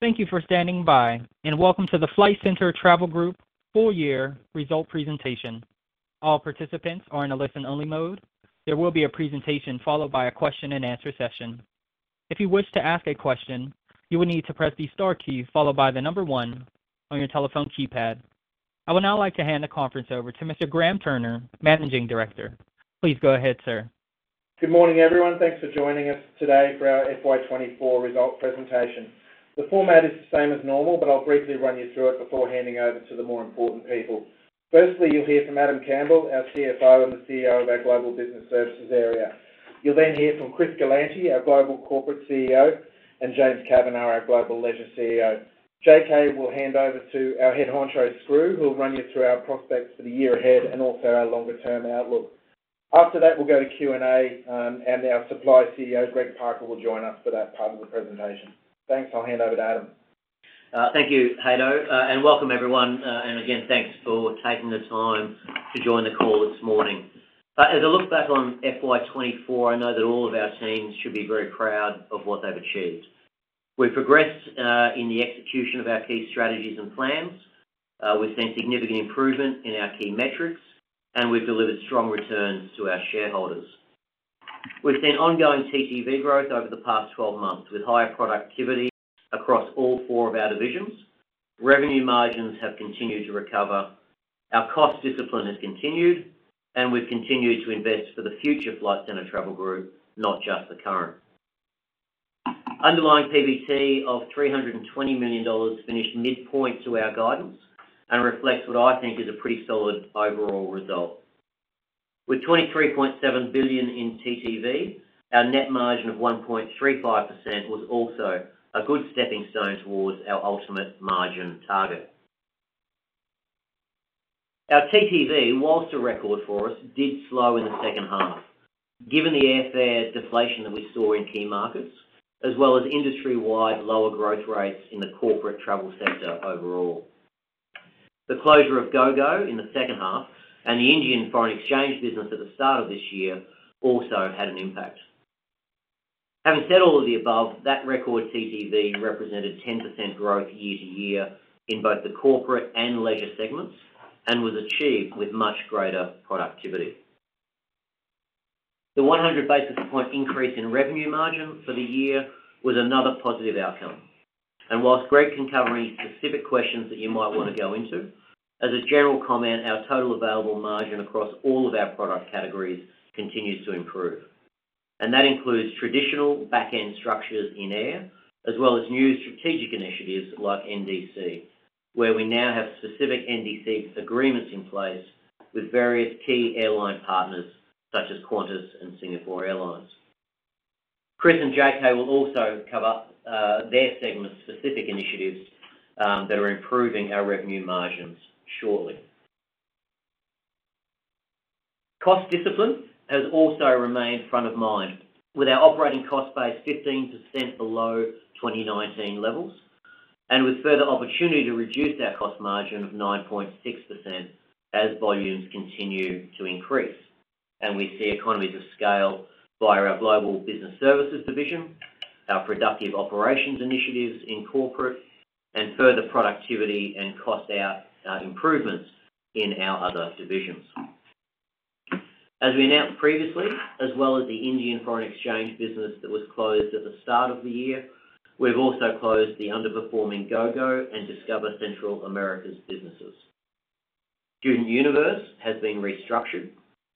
Thank you for standing by, and welcome to the Flight Centre Travel Group full year result presentation. All participants are in a listen-only mode. There will be a presentation followed by a question-and-answer session. If you wish to ask a question, you will need to press the star key followed by the number one on your telephone keypad. I would now like to hand the conference over to Mr. Graham Turner, Managing Director. Please go ahead, sir. Good morning, everyone. Thanks for joining us today for our FY 2024 result presentation. The format is the same as normal, but I'll briefly run you through it before handing over to the more important people. Firstly, you'll hear from Adam Campbell, our CFO and the CEO of our Global Business Services area. You'll then hear from Chris Galanty, our Global Corporate CEO, and James Kavanagh, our Global Leisure CEO. JK will hand over to our head honcho, Skroo, who will run you through our prospects for the year ahead and also our longer-term outlook. After that, we'll go to Q&A, and our Supply CEO, Greg Parker, will join us for that part of the presentation. Thanks. I'll hand over to Adam. Thank you, Haydn, and welcome everyone, and again, thanks for taking the time to join the call this morning, but as I look back on FY 2024, I know that all of our teams should be very proud of what they've achieved. We've progressed in the execution of our key strategies and plans. We've seen significant improvement in our key metrics, and we've delivered strong returns to our shareholders. We've seen ongoing TTV growth over the past 12 months, with higher productivity across all four of our divisions. Revenue margins have continued to recover, our cost discipline has continued, and we've continued to invest for the future, Flight Centre Travel Group, not just the current. Underlying PBT of 320 million dollars finished midpoint to our guidance and reflects what I think is a pretty solid overall result. With 23.7 billion in TTV, our net margin of 1.35% was also a good stepping stone towards our ultimate margin target. Our TTV, while a record for us, did slow in the second half, given the airfare deflation that we saw in key markets, as well as industry-wide lower growth rates in the corporate travel sector overall. The closure of GOGO in the second half and the Indian foreign exchange business at the start of this year also had an impact. Having said all of the above, that record TTV represented 10% growth year to year in both the corporate and leisure segments, and was achieved with much greater productivity. The 100 basis point increase in revenue margin for the year was another positive outcome. While Greg can cover any specific questions that you might want to go into, as a general comment, our total available margin across all of our product categories continues to improve. That includes traditional back-end structures in air, as well as new strategic initiatives like NDC, where we now have specific NDC agreements in place with various key airline partners such as Qantas and Singapore Airlines. Chris and JK will also cover their segment-specific initiatives that are improving our revenue margins shortly. Cost discipline has also remained front of mind, with our operating cost base 15% below 2019 levels, and with further opportunity to reduce our cost margin of 9.6% as volumes continue to increase. And we see economies of scale via our Global Business Services division, our productive operations initiatives in corporate, and further productivity and cost out improvements in our other divisions. As we announced previously, as well as the Indian foreign exchange business that was closed at the start of the year, we've also closed the underperforming GOGO and Discova Central America's businesses. StudentUniverse has been restructured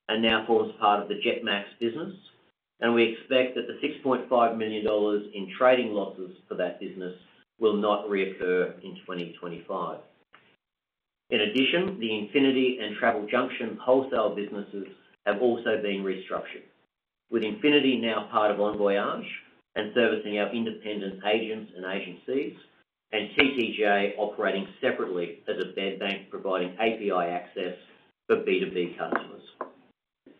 and now forms part of the Jetmax business, and we expect that the 6.5 million dollars in trading losses for that business will not reoccur in 2025. In addition, the Infinity and Travel Junction wholesale businesses have also been restructured, with Infinity now part of Envoyage and servicing our independent agents and agencies, and TTJ operating separately as a bed bank, providing API access for B2B customers.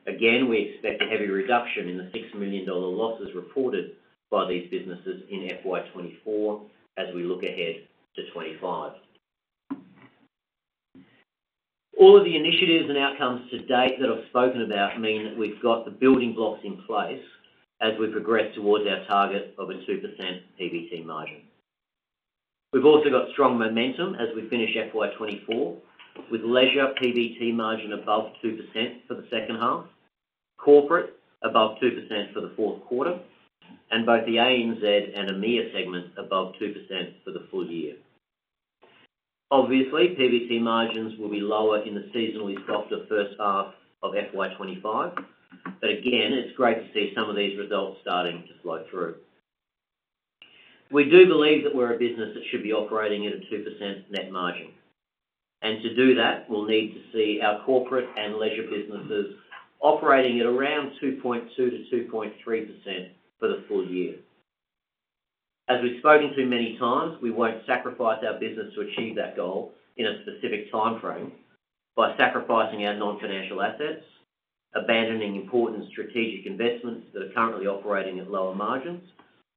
Again, we expect a heavy reduction in the 6 million dollar losses reported by these businesses in FY 2024 as we look ahead to 2025. All of the initiatives and outcomes to date that I've spoken about mean that we've got the building blocks in place as we progress towards our target of a 2% PBT margin. We've also got strong momentum as we finish FY 2024, with leisure PBT margin above 2% for the second half, corporate above 2% for the fourth quarter, and both the ANZ and EMEA segments above 2% for the full year. Obviously, PBT margins will be lower in the seasonally softer first half of FY 2025, but again, it's great to see some of these results starting to flow through. We do believe that we're a business that should be operating at a 2% net margin. And to do that, we'll need to see our corporate and leisure businesses operating at around 2.2%-2.3% for the full year. As we've spoken to many times, we won't sacrifice our business to achieve that goal in a specific timeframe by sacrificing our non-financial assets, abandoning important strategic investments that are currently operating at lower margins,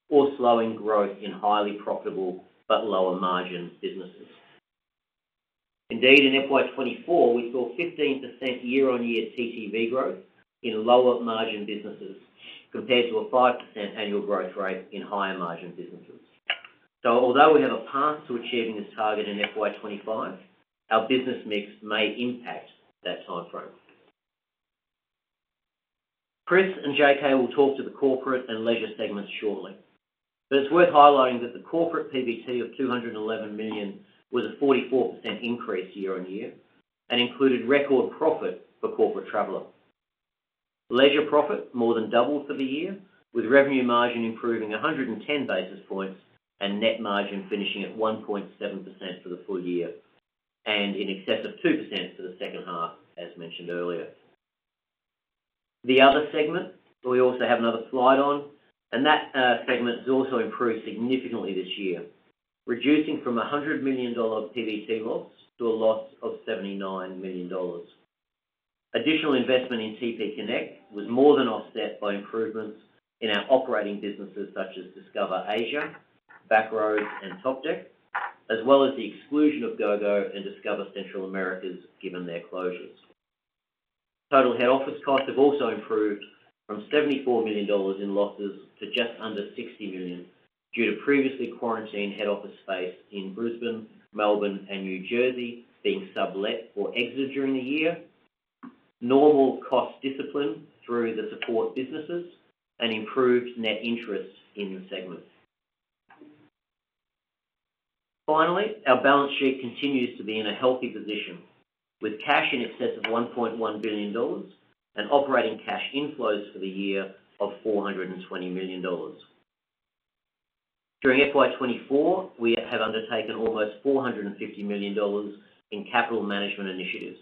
or slowing growth in highly profitable but lower-margin businesses. Indeed, in FY 2024, we saw 15% year-on-year TTV growth in lower margin businesses, compared to a 5% annual growth rate in higher margin businesses. So although we have a path to achieving this target in FY 2025, our business mix may impact that timeframe. Chris and JK will talk to the corporate and leisure segments shortly. But it's worth highlighting that the corporate PBT of 211 million was a 44% increase year-on-year, and included record profit for Corporate Traveller. Leisure profit more than doubled for the year, with revenue margin improving 110 basis points and net margin finishing at 1.7% for the full year, and in excess of 2% for the second half, as mentioned earlier. The other segment, we also have another slide on, and that segment has also improved significantly this year, reducing from a 100 million dollar PBT loss to a loss of 79 million dollars. Additional investment in TPConnects was more than offset by improvements in our operating businesses such as Discova Asia, Back-Roads, and Topdeck, as well as the exclusion of Gogo and Discova Central America, given their closures. Total head office costs have also improved from 74 million dollars in losses to just under 60 million, due to previously quarantined head office space in Brisbane, Melbourne, and New Jersey being sublet or exited during the year. Normal cost discipline through the support businesses and improved net interest in the segment. Finally, our balance sheet continues to be in a healthy position, with cash in excess of 1.1 billion dollars and operating cash inflows for the year of 420 million dollars. During FY 2024, we have undertaken almost 450 million dollars in capital management initiatives,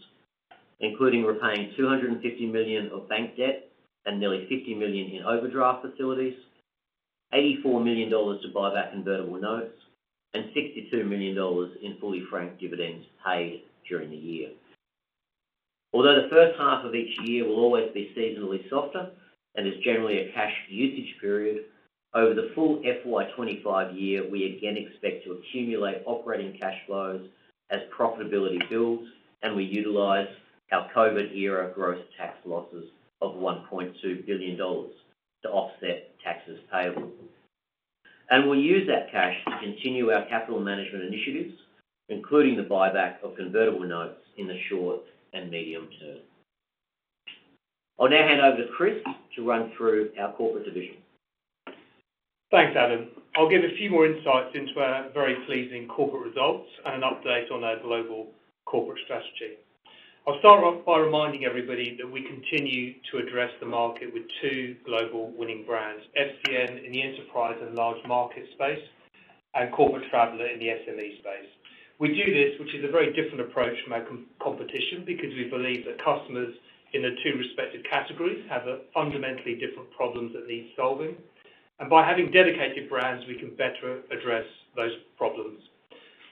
including repaying 250 million of bank debt and nearly 50 million in overdraft facilities, 84 million dollars to buy back convertible notes, and 62 million dollars in fully franked dividends paid during the year. Although the first half of each year will always be seasonally softer and is generally a cash usage period, over the full FY 2025 year, we again expect to accumulate operating cash flows as profitability builds, and we utilize our COVID-era gross tax losses of 1.2 billion dollars to offset taxes payable. And we'll use that cash to continue our capital management initiatives, including the buyback of convertible notes in the short and medium term. I'll now hand over to Chris to run through our corporate division. Thanks, Adam. I'll give a few more insights into our very pleasing corporate results and an update on our global corporate strategy. I'll start off by reminding everybody that we continue to address the market with two global winning brands, FCM in the enterprise and large market space, and Corporate Traveller in the SME space. We do this, which is a very different approach from our competition, because we believe that customers in the two respective categories have fundamentally different problems that need solving, and by having dedicated brands, we can better address those problems.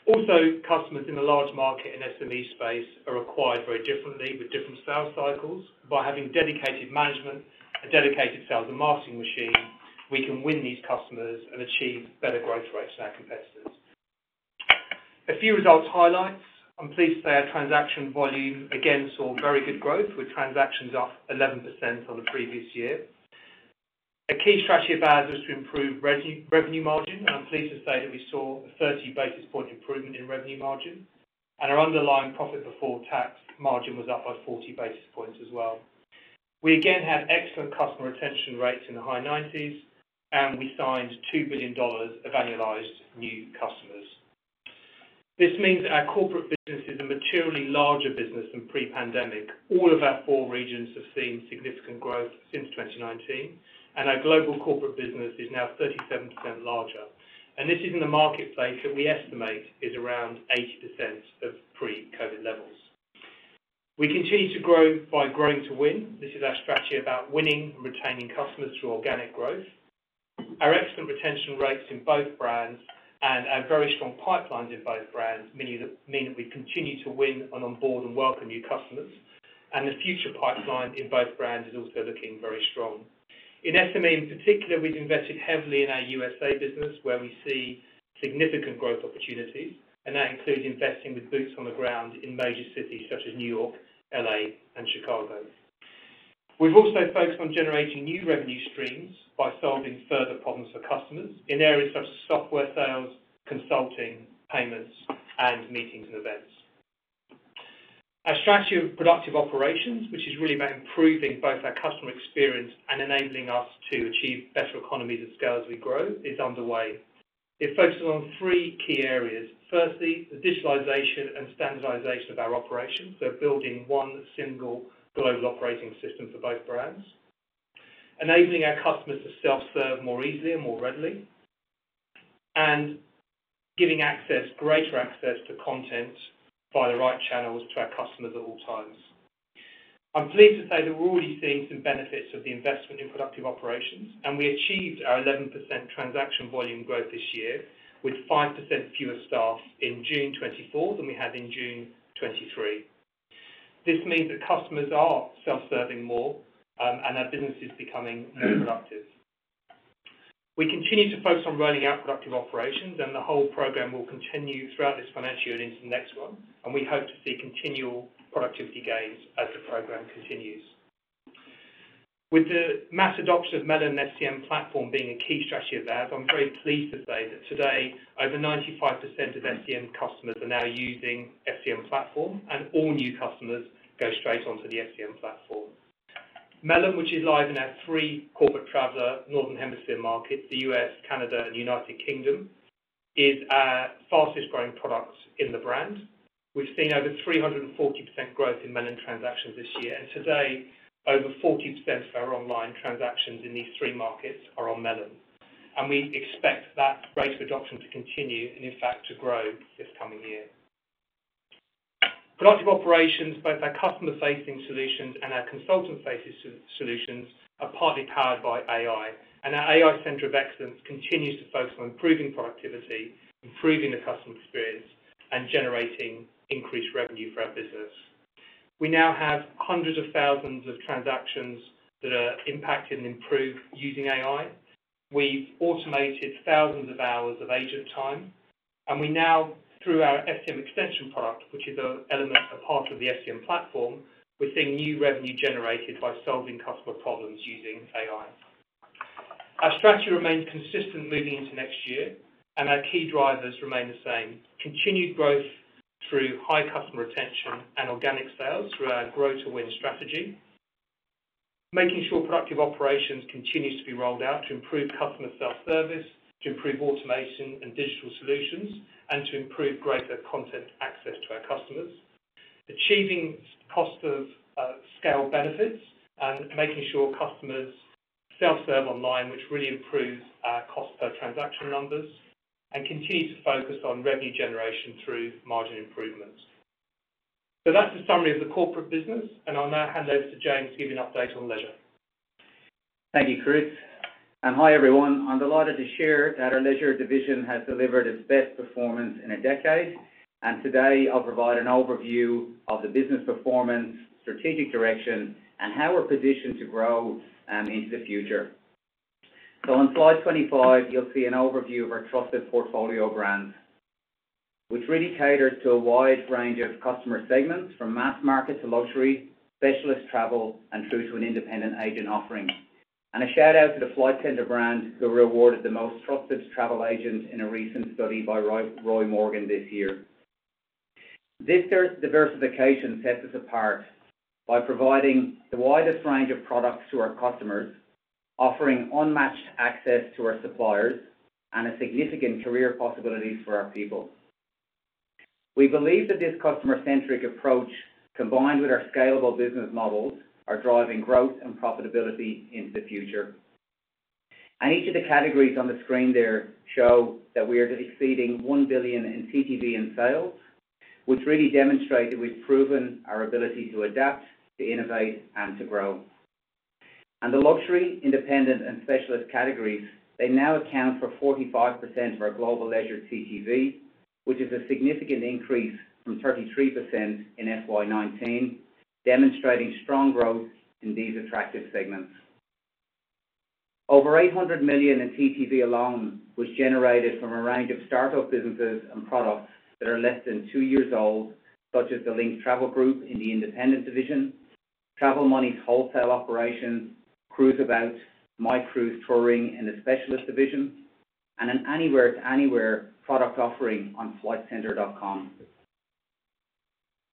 Also, customers in the large market and SME space are acquired very differently with different sales cycles. By having dedicated management, a dedicated sales and marketing machine, we can win these customers and achieve better growth rates than our competitors. A few results highlights. I'm pleased to say our transaction volume again saw very good growth, with transactions up 11% on the previous year. A key strategy of ours was to improve revenue margin, and I'm pleased to say that we saw a 30 basis point improvement in revenue margin, and our underlying profit before tax margin was up by 40 basis points as well. We again had excellent customer retention rates in the high nineties, and we signed 2 billion dollars of annualized new customers. This means that our corporate business is a materially larger business than pre-pandemic. All of our four regions have seen significant growth since 2019, and our global corporate business is now 37% larger, and this is in a marketplace that we estimate is around 80% of pre-COVID levels. We continue to grow by growing to win. This is our strategy about winning and retaining customers through organic growth. Our excellent retention rates in both brands and our very strong pipelines in both brands mean that we continue to win and onboard and welcome new customers. The future pipeline in both brands is also looking very strong. In SME, in particular, we've invested heavily in our U.S. business, where we see significant growth opportunities, and that includes investing with boots on the ground in major cities such as New York, L.A., and Chicago. We've also focused on generating new revenue streams by solving further problems for customers in areas such as software sales, consulting, payments, and meetings and events. Our strategy of productive operations, which is really about improving both our customer experience and enabling us to achieve better economies and scale as we grow, is underway. It focuses on three key areas. Firstly, the digitalization and standardization of our operations. So building one single global operating system for both brands, enabling our customers to self-serve more easily and more readily, and giving access, greater access to content via the right channels to our customers at all times. I'm pleased to say that we're already seeing some benefits of the investment in productive operations, and we achieved our 11% transaction volume growth this year, with 5% fewer staff in June 2024 than we had in June 2023. This means that customers are self-serving more, and our business is becoming more productive. We continue to focus on rolling out productive operations, and the whole program will continue throughout this financial year and into the next one, and we hope to see continual productivity gains as the program continues. With the mass adoption of Melon and FCM platform being a key strategy of ours, I'm very pleased to say that today, over 95% of FCM customers are now using FCM platform, and all new customers go straight onto the FCM platform. Melon, which is live in our three Corporate Traveller northern hemisphere markets, the U.S., Canada, and United Kingdom, is our fastest-growing product in the brand. We've seen over 340% growth in Melon transactions this year, and today, over 40% of our online transactions in these three markets are on Melon. We expect that rate of adoption to continue, and in fact, to grow this coming year. Productive operations, both our customer-facing solutions and our consultant-facing solutions, are partly powered by AI. And our AI center of excellence continues to focus on improving productivity, improving the customer experience, and generating increased revenue for our business. We now have hundreds of thousands of transactions that are impacted and improved using AI. We've automated thousands of hours of agent time, and we now, through our FCM extension product, which is an element of part of the FCM platform, we're seeing new revenue generated by solving customer problems using AI. Our strategy remains consistent moving into next year, and our key drivers remain the same. Continued growth through high customer retention and organic sales through our Grow to Win strategy. Making sure productive operations continues to be rolled out to improve customer self-service, to improve automation and digital solutions, and to improve greater content access to our customers. Achieving cost of scale benefits and making sure customers self-serve online, which really improves our cost per transaction numbers, and continue to focus on revenue generation through margin improvements. So that's the summary of the corporate business, and I'll now hand over to James to give you an update on leisure. Thank you, Chris, and hi, everyone. I'm delighted to share that our leisure division has delivered its best performance in a decade, and today, I'll provide an overview of the business performance, strategic direction, and how we're positioned to grow, um, into the future, so on slide 25, you'll see an overview of our trusted portfolio brands, which really cater to a wide range of customer segments, from mass market to luxury, specialist travel, and through to an independent agent offering, and a shout-out to the Flight Centre brand, who were awarded the most trusted travel agent in a recent study by Roy Morgan this year. This diversification sets us apart by providing the widest range of products to our customers, offering unmatched access to our suppliers, and a significant career possibilities for our people. We believe that this customer-centric approach, combined with our scalable business models, are driving growth and profitability into the future. And each of the categories on the screen there show that we are exceeding one billion in TTV in sales, which really demonstrate that we've proven our ability to adapt, to innovate, and to grow. And the luxury, independent, and specialist categories, they now account for 45% of our global leisure TTV, which is a significant increase from 33% in FY 2019, demonstrating strong growth in these attractive segments. Over 800 million in TTV alone was generated from a range of start-up businesses and products that are less than two years old, such as the Link Travel Group in the independent division, Travel Money's wholesale operations, Cruiseabout, My Cruises touring in the specialist division, and an anywhere to anywhere product offering on flightcentre.com.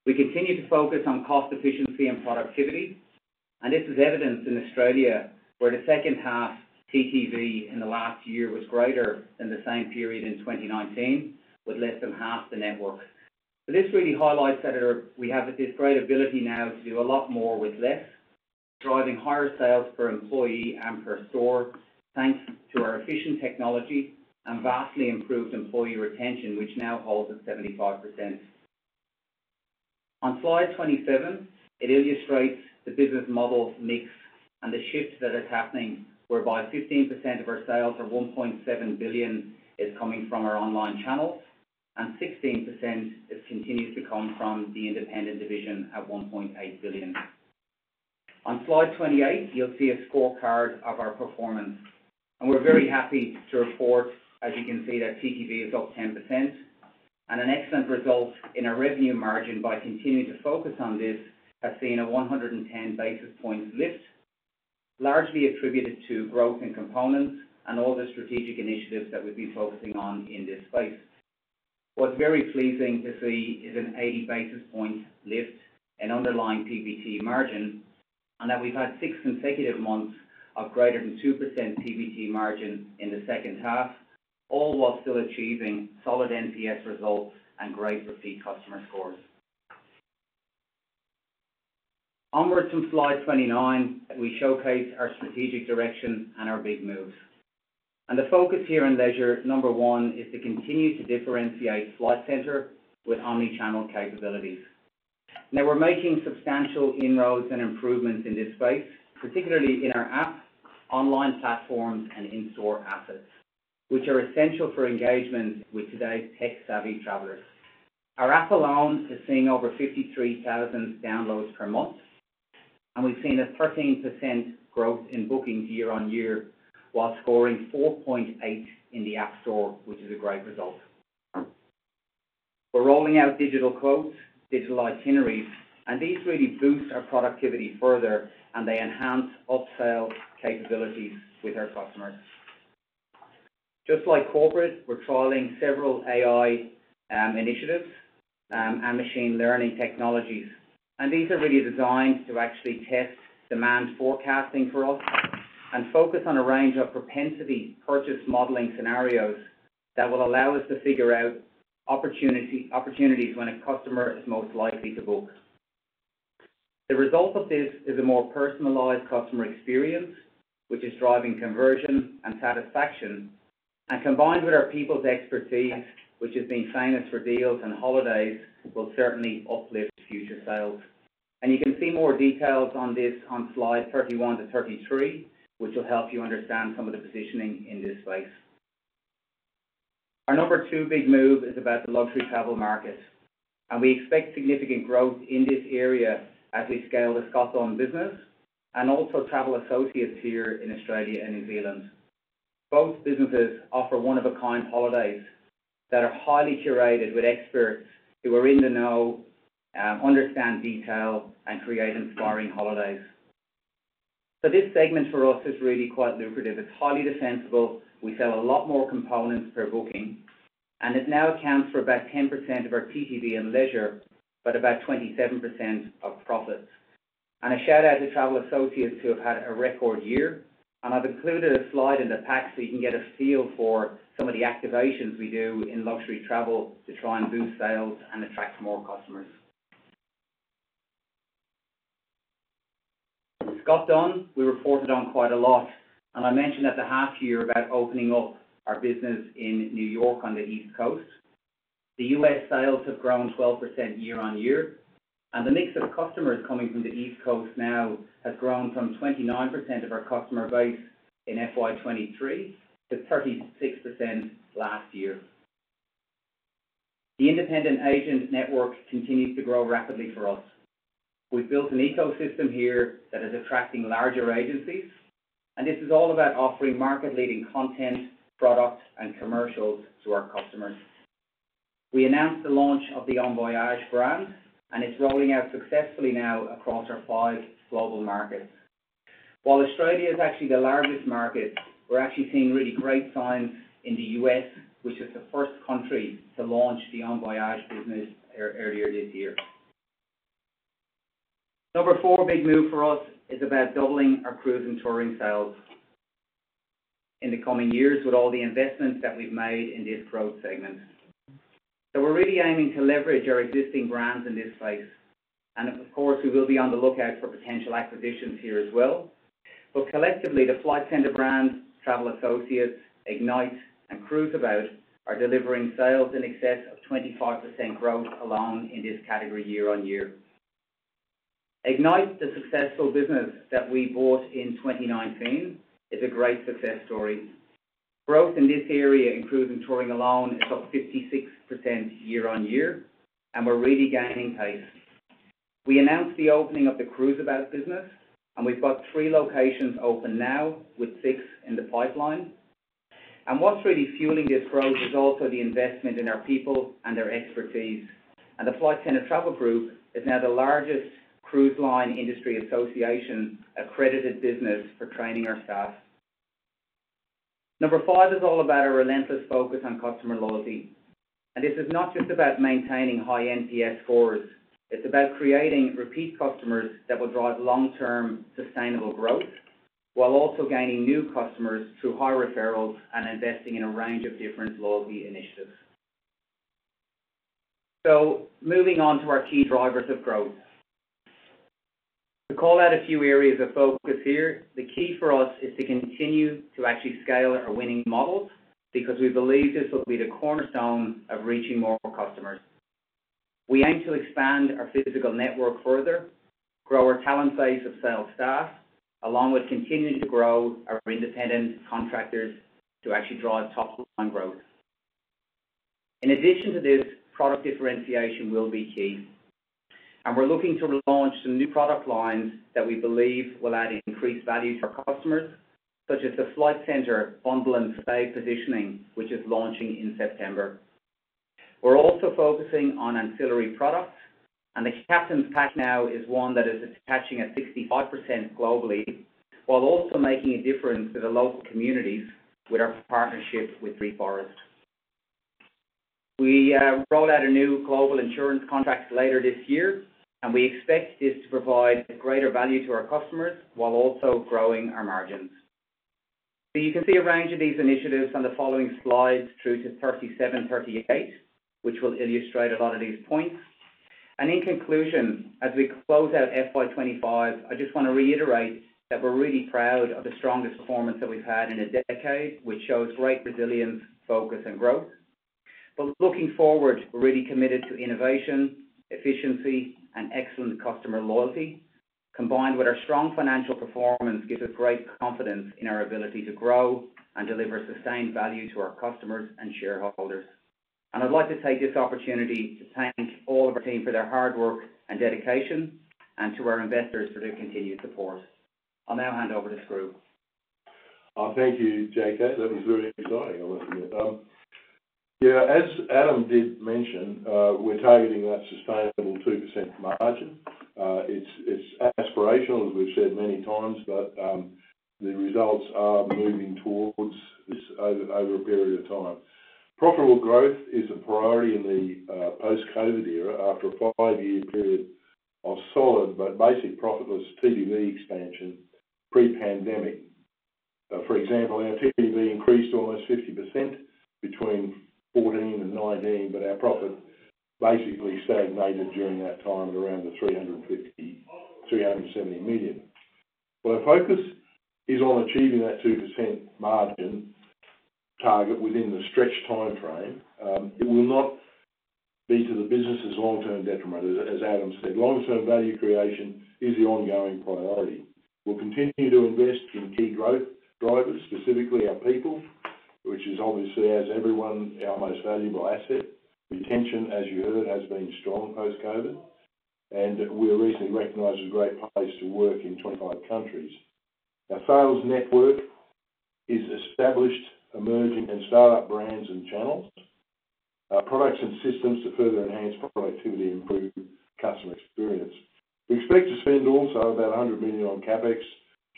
We continue to focus on cost efficiency and productivity, and this is evidenced in Australia, where the second half TTV in the last year was greater than the same period in 2019, with less than half the network. So this really highlights that we have this great ability now to do a lot more with less, driving higher sales per employee and per store, thanks to our efficient technology and vastly improved employee retention, which now holds at 75%. On slide 27, it illustrates the business model mix and the shifts that are happening, whereby 15% of our sales, or 1.7 billion, is coming from our online channels, and 16% it continues to come from the independent division at 1.8 billion. On slide 28, you'll see a scorecard of our performance, and we're very happy to report, as you can see, that TTV is up 10% and an excellent result in our revenue margin by continuing to focus on this, has seen a 110 basis points lift, largely attributed to growth in components and all the strategic initiatives that we've been focusing on in this space. What's very pleasing to see is an 80 basis point lift in underlying PBT margin, and that we've had six consecutive months of greater than 2% PBT margin in the second half, all while still achieving solid NPS results and great repeat customer scores. Onward to slide 29, we showcase our strategic direction and our big moves, and the focus here in leisure, number one, is to continue to differentiate Flight Centre with omni-channel capabilities. Now, we're making substantial inroads and improvements in this space, particularly in our app, online platforms, and in-store assets, which are essential for engagement with today's tech-savvy travelers. Our app alone is seeing over 53,000 downloads per month, and we've seen a 13% growth in bookings year-on-year, while scoring 4.8 in the App Store, which is a great result. We're rolling out digital quotes, digital itineraries, and these really boost our productivity further, and they enhance upsell capabilities with our customers. Just like corporate, we're trialing several AI initiatives and machine learning technologies, and these are really designed to actually test demand forecasting for us, and focus on a range of propensity purchase modeling scenarios that will allow us to figure out opportunity when a customer is most likely to book. The result of this is a more personalized customer experience, which is driving conversion and satisfaction, and combined with our people's expertise, which has been famous for deals and holidays, will certainly uplift future sales. You can see more details on this on slide 31-33, which will help you understand some of the positioning in this space. Our number two big move is about the luxury travel market, and we expect significant growth in this area as we scale the Scott Dunn business and also Travel Associates here in Australia and New Zealand. Both businesses offer one-of-a-kind holidays that are highly curated with experts who are in the know, understand detail, and create inspiring holidays. This segment for us is really quite lucrative. It's highly defensible. We sell a lot more components per booking, and it now accounts for about 10% of our TTV and leisure, but about 27% of profits, and a shout-out to Travel Associates who have had a record year, and I've included a slide in the pack so you can get a feel for some of the activations we do in luxury travel to try and boost sales and attract more customers. Scott Dunn, we reported on quite a lot, and I mentioned at the half year about opening up our business in New York on the East Coast. The U.S. sales have grown 12% year-on-year, and the mix of customers coming from the East Coast now has grown from 29% of our customer base in FY 2023 to 36% last year. The independent agent network continues to grow rapidly for us. We've built an ecosystem here that is attracting larger agencies, and this is all about offering market-leading content, products, and commercials to our customers. We announced the launch of the Envoyage brand, and it's rolling out successfully now across our five global markets. While Australia is actually the largest market, we're actually seeing really great signs in the US, which is the first country to launch the Envoyage business earlier this year. Number four big move for us is about doubling our cruise and touring sales in the coming years with all the investments that we've made in this growth segment. So we're really aiming to leverage our existing brands in this space, and of course, we will be on the lookout for potential acquisitions here as well. Collectively, the Flight Centre brand, Travel Associates, Ignite, and Cruiseabout are delivering sales in excess of 25% growth alone in this category year on year. Ignite, the successful business that we bought in 2019, is a great success story. Growth in this area in cruise and touring alone is up 56% year on year, and we're really gaining pace. We announced the opening of the Cruiseabout business, and we've got 3 locations open now, with 6 in the pipeline. What's really fueling this growth is also the investment in our people and their expertise. The Flight Centre Travel Group is now the largest cruise line industry association-accredited business for training our staff. Number five is all about a relentless focus on customer loyalty, and this is not just about maintaining high NPS scores. It's about creating repeat customers that will drive long-term sustainable growth, while also gaining new customers through high referrals and investing in a range of different loyalty initiatives. So moving on to our key drivers of growth. To call out a few areas of focus here, the key for us is to continue to actually scale our winning models, because we believe this will be the cornerstone of reaching more customers. We aim to expand our physical network further, grow our talent base of sales staff, along with continuing to grow our independent contractors to actually drive top-line growth. In addition to this, product differentiation will be key, and we're looking to launch some new product lines that we believe will add increased value to our customers, such as the Flight Centre Bundle and Stay positioning, which is launching in September. We're also focusing on ancillary products, and the Captain's Pack now is one that is attaching at 65% globally, while also making a difference to the local communities with our partnership with Reforest. We roll out a new global insurance contract later this year, and we expect this to provide greater value to our customers while also growing our margins. So you can see a range of these initiatives on the following slides through to 37, 38, which will illustrate a lot of these points. In conclusion, as we close out FY 2025, I just want to reiterate that we're really proud of the strongest performance that we've had in a decade, which shows great resilience, focus, and growth. But looking forward, we're really committed to innovation, efficiency, and excellent customer loyalty. Combined with our strong financial performance, gives us great confidence in our ability to grow and deliver sustained value to our customers and shareholders. I'd like to take this opportunity to thank all of our team for their hard work and dedication, and to our investors for their continued support. I'll now hand over to Skroo. Thank you, JK. That was very exciting, I must say. Yeah, as Adam did mention, we're targeting that sustainable 2% margin. It's aspirational, as we've said many times, but the results are moving towards this over a period of time. Profitable growth is a priority in the post-COVID era, after a five-year period of solid but basic profitless TTV expansion pre-pandemic. For example, our TTV increased almost 50% between 2014 and 2019, but our profit basically stagnated during that time at around 350 million-370 million. Our focus is on achieving that 2% margin target within the stretched timeframe. It will not be to the business's long-term detriment, as Adam said, long-term value creation is the ongoing priority. We'll continue to invest in key growth drivers, specifically our people, which is obviously, as everyone, our most valuable asset. Retention, as you heard, has been strong post-COVID, and we were recently recognized as a great place to work in 25 countries. Our sales network is established, emerging, and startup brands and channels. Our products and systems to further enhance productivity and improve customer experience. We expect to spend also about 100 million on CapEx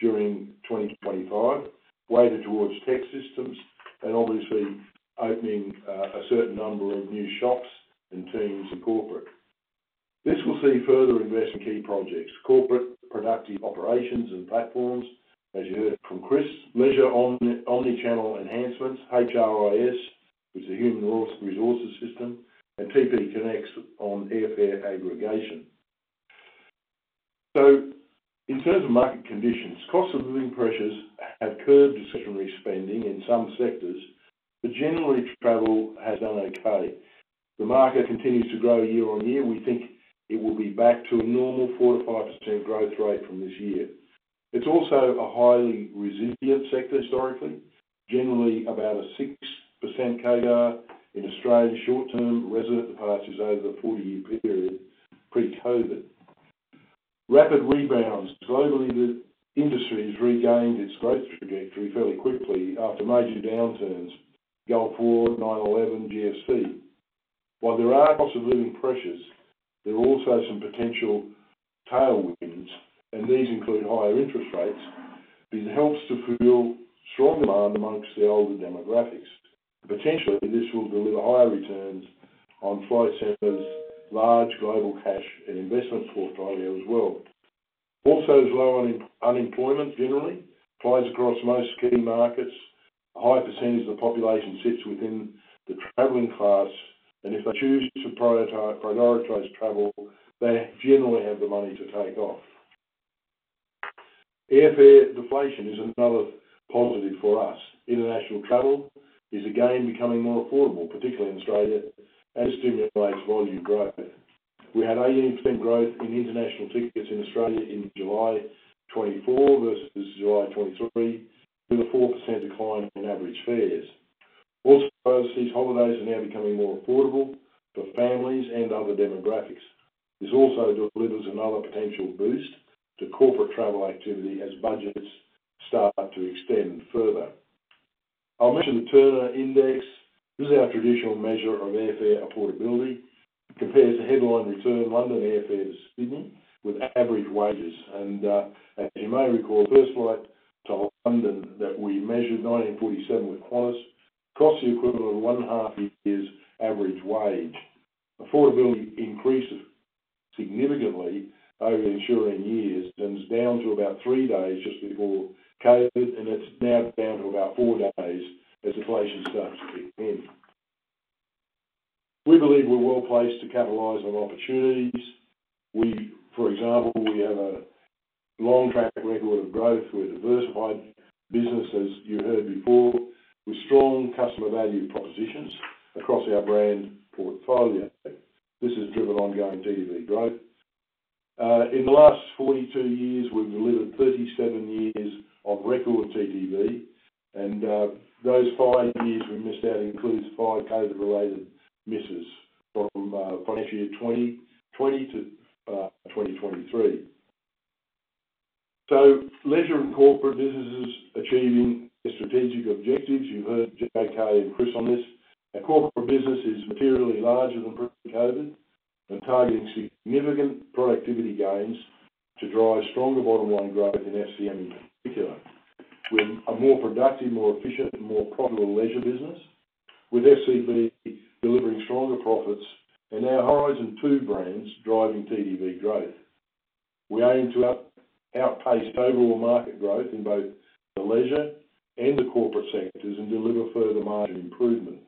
during 2025, weighted towards tech systems and obviously opening a certain number of new shops and teams in corporate. This will see further investment in key projects, corporate productive operations and platforms, as you heard from Chris. Measures on omnichannel enhancements, HRIS, which is a human resources system, and TPConnects on airfare aggregation. In terms of market conditions, cost of living pressures have curbed discretionary spending in some sectors, but generally, travel has done okay. The market continues to grow year on year. We think it will be back to a normal 4%-5% growth rate from this year. It's also a highly resilient sector historically, generally about a 6% CAGR in Australian short-term resident departures over the four-year period, pre-COVID. Rapid rebounds, globally, the industry has regained its growth trajectory fairly quickly after major downturns, Gulf War, 9/11, GFC. While there are costs of living pressures, there are also some potential tailwinds, and these include higher interest rates, which helps to fuel strong demand among the older demographics. Potentially, this will deliver higher returns on Flight Centre's large global cash and investment portfolio as well. Also, low unemployment generally applies across most key markets. A high percentage of the population sits within the traveling class, and if they choose to prioritize travel, they generally have the money to take off. Airfare deflation is another positive for us. International travel is again becoming more affordable, particularly in Australia, and stimulates volume growth. We had 18% growth in international tickets in Australia in July 2024 versus July 2023, with a 4% decline in average fares. Also, overseas holidays are now becoming more affordable for families and other demographics. This also delivers another potential boost to corporate travel activity as budgets start to extend further. I'll mention the Turner Index. This is our traditional measure of airfare affordability. It compares the headline return London airfares to Sydney with average wages. As you may recall, the first flight to London that we measured, 1947, with Qantas, cost the equivalent of one and a half years' average wage. Affordability increases significantly over ensuing years, and is down to about three days just before COVID, and it's now down to about four days as inflation starts to kick in. We believe we're well placed to capitalize on opportunities. We, for example, we have a long track record of growth. We're a diversified business, as you heard before, with strong customer value propositions across our brand portfolio. This has driven ongoing TTV growth. In the last 42 years, we've delivered 37 years of record TTV, and those five years we missed out includes five COVID-related misses from financial year 2020 to 2023. Leisure and corporate business is achieving their strategic objectives. You've heard JK and Chris on this. Our corporate business is materially larger than pre-COVID and targeting significant productivity gains to drive stronger bottom-line growth in FCM in particular. With a more productive, more efficient, and more profitable leisure business, with FCB delivering stronger profits and our Horizon Two brands driving TTV growth. We aim to outpace overall market growth in both the leisure and the corporate sectors and deliver further margin improvement.